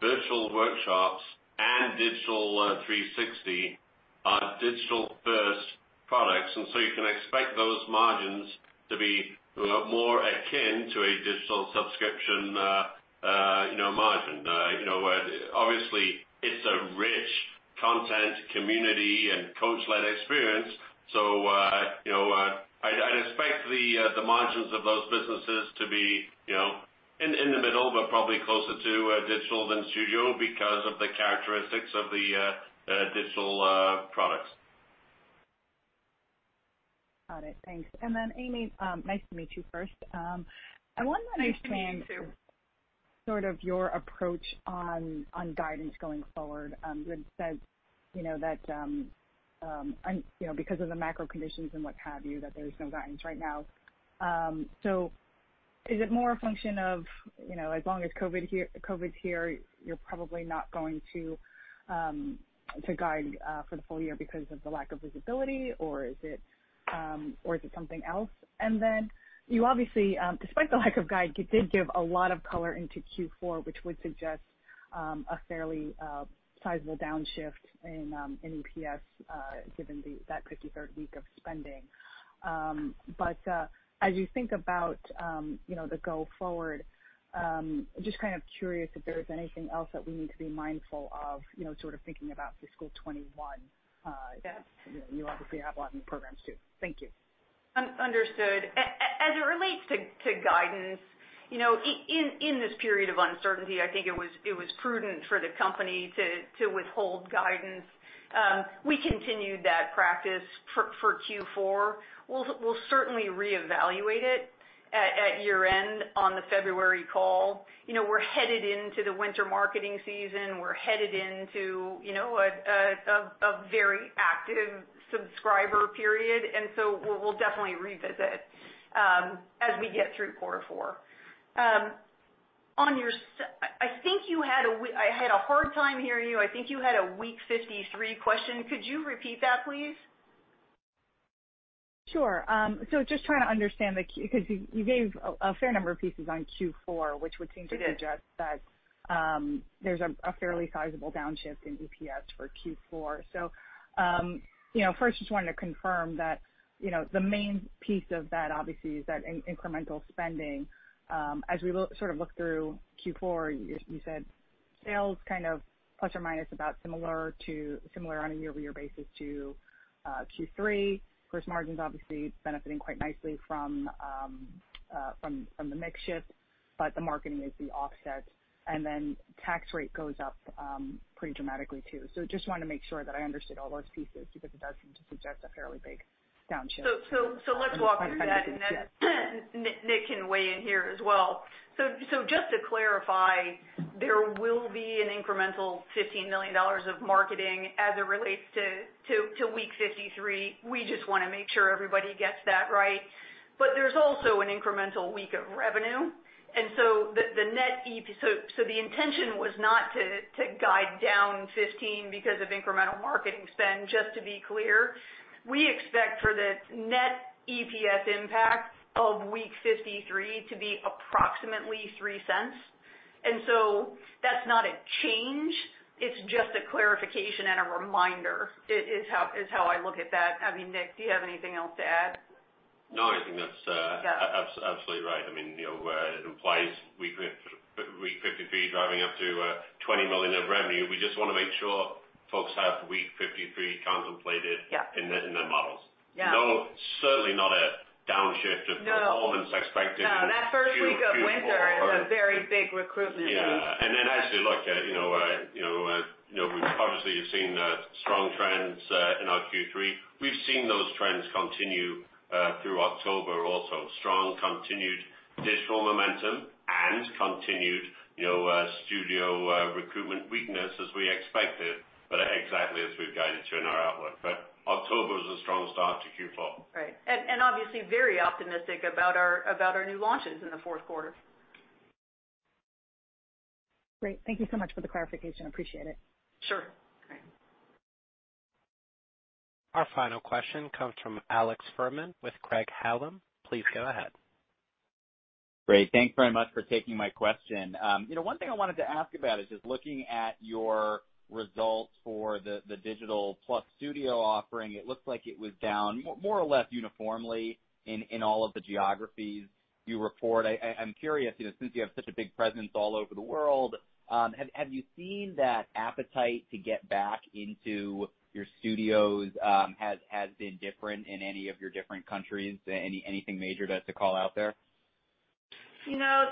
virtual workshops and Digital 360 are digital-first products, and so you can expect those margins to be more akin to a digital subscription margin. Obviously, the margins of those businesses to be in the middle, but probably closer to digital than studio because of the characteristics of the digital products. Got it. Thanks. Amy, nice to meet you first. Nice to meet you too. I want to understand sort of your approach on guidance going forward. You had said that because of the macro conditions and what have you, that there's no guidance right now. Is it more a function of as long as COVID's here, you're probably not going to guide for the full year because of the lack of visibility, or is it something else? Then you obviously, despite the lack of guide, you did give a lot of color into Q4, which would suggest, a fairly sizable downshift in EPS, given that 53rd week of spending. As you think about the go forward, just kind of curious if there's anything else that we need to be mindful of, sort of thinking about fiscal 2021? Yeah. You obviously have a lot new programs, too. Thank you. Understood. As it relates to guidance, in this period of uncertainty, I think it was prudent for the company to withhold guidance. We continued that practice for Q4. We'll certainly reevaluate it at year-end on the February call. We're headed into the winter marketing season. We're headed into a very active subscriber period, so we'll definitely revisit, as we get through quarter four. I had a hard time hearing you. I think you had a week 53 question. Could you repeat that, please? Sure. just trying to understand, because you gave a fair number of pieces on Q4 which would seem to suggest that there's a fairly sizable downshift in EPS for Q4. First just wanted to confirm that the main piece of that, obviously, is that incremental spending. As we sort of look through Q4, you said sales kind of plus or minus about similar on a year-over-year basis to Q3. Gross margins obviously benefiting quite nicely from the mix shift, but the marketing is the offset, and then tax rate goes up pretty dramatically, too. Just want to make sure that I understood all those pieces, because it does seem to suggest a fairly big downshift. Let's walk through that, and then Nick can weigh in here as well. Just to clarify, there will be an incremental $15 million of marketing as it relates to week 53. We just want to make sure everybody gets that right. There's also an incremental week of revenue, the intention was not to guide down 15 because of incremental marketing spend, just to be clear. We expect for the net EPS impact of week 53 to be approximately $0.03. That's not a change, it's just a clarification and a reminder, is how I look at that. I mean, Nick, do you have anything else to add? No, I think that's- Yeah absolutely right. It implies week 53 driving up to $20 million of revenue. We just want to make sure folks have week 53 contemplated. Yeah in their models. Yeah. Certainly not a downshift. No performance expectations No, that first week of winter is a very big recruitment week. Yeah. As you look at, we obviously have seen strong trends in our Q3. We've seen those trends continue through October also. Strong continued digital momentum and continued studio recruitment weakness as we expected, but exactly as we've guided you in our outlook. October's a strong start to Q4. Right. Obviously very optimistic about our new launches in the fourth quarter. Great. Thank you so much for the clarification. Appreciate it. Sure. Great. Our final question comes from Alex Fuhrman with Craig-Hallum. Please go ahead. Great. Thanks very much for taking my question. One thing I wanted to ask about is just looking at your results for the Digital+ Studio offering. It looks like it was down more or less uniformly in all of the geographies you report. I'm curious, since you have such a big presence all over the world, have you seen that appetite to get back into your studios has been different in any of your different countries? Anything major to call out there? Nothing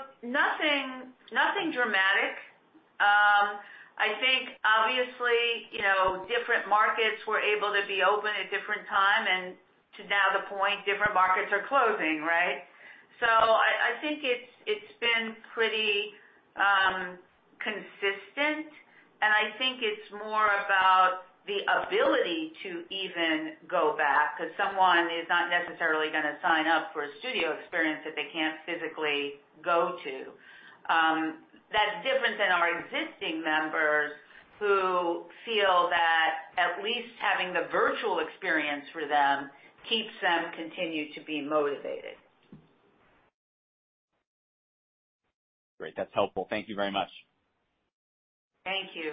dramatic. I think obviously, different markets were able to be open at different time, and to now the point, different markets are closing, right? I think it's been pretty consistent, and I think it's more about the ability to even go back, because someone is not necessarily going to sign up for a studio experience if they can't physically go to. That's different than our existing members who feel that at least having the virtual experience for them keeps them continue to be motivated. Great. That's helpful. Thank you very much. Thank you.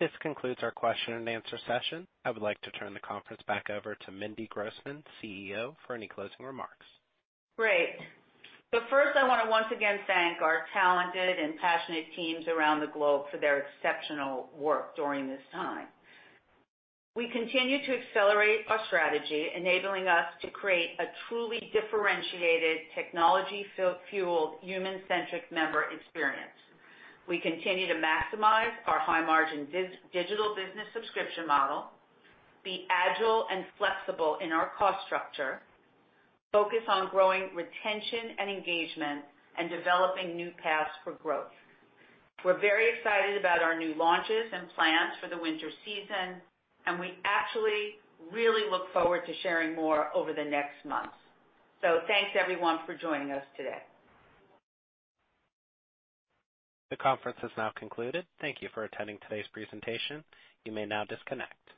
This concludes our question and answer session. I would like to turn the conference back over to Mindy Grossman, CEO, for any closing remarks. Great. First I want to once again thank our talented and passionate teams around the globe for their exceptional work during this time. We continue to accelerate our strategy, enabling us to create a truly differentiated technology-fueled, human-centric member experience. We continue to maximize our high-margin digital business subscription model, be agile and flexible in our cost structure, focus on growing retention and engagement, and developing new paths for growth. We're very excited about our new launches and plans for the winter season, and we actually really look forward to sharing more over the next months. Thanks everyone for joining us today. The conference is now concluded. Thank you for attending today's presentation. You may now disconnect.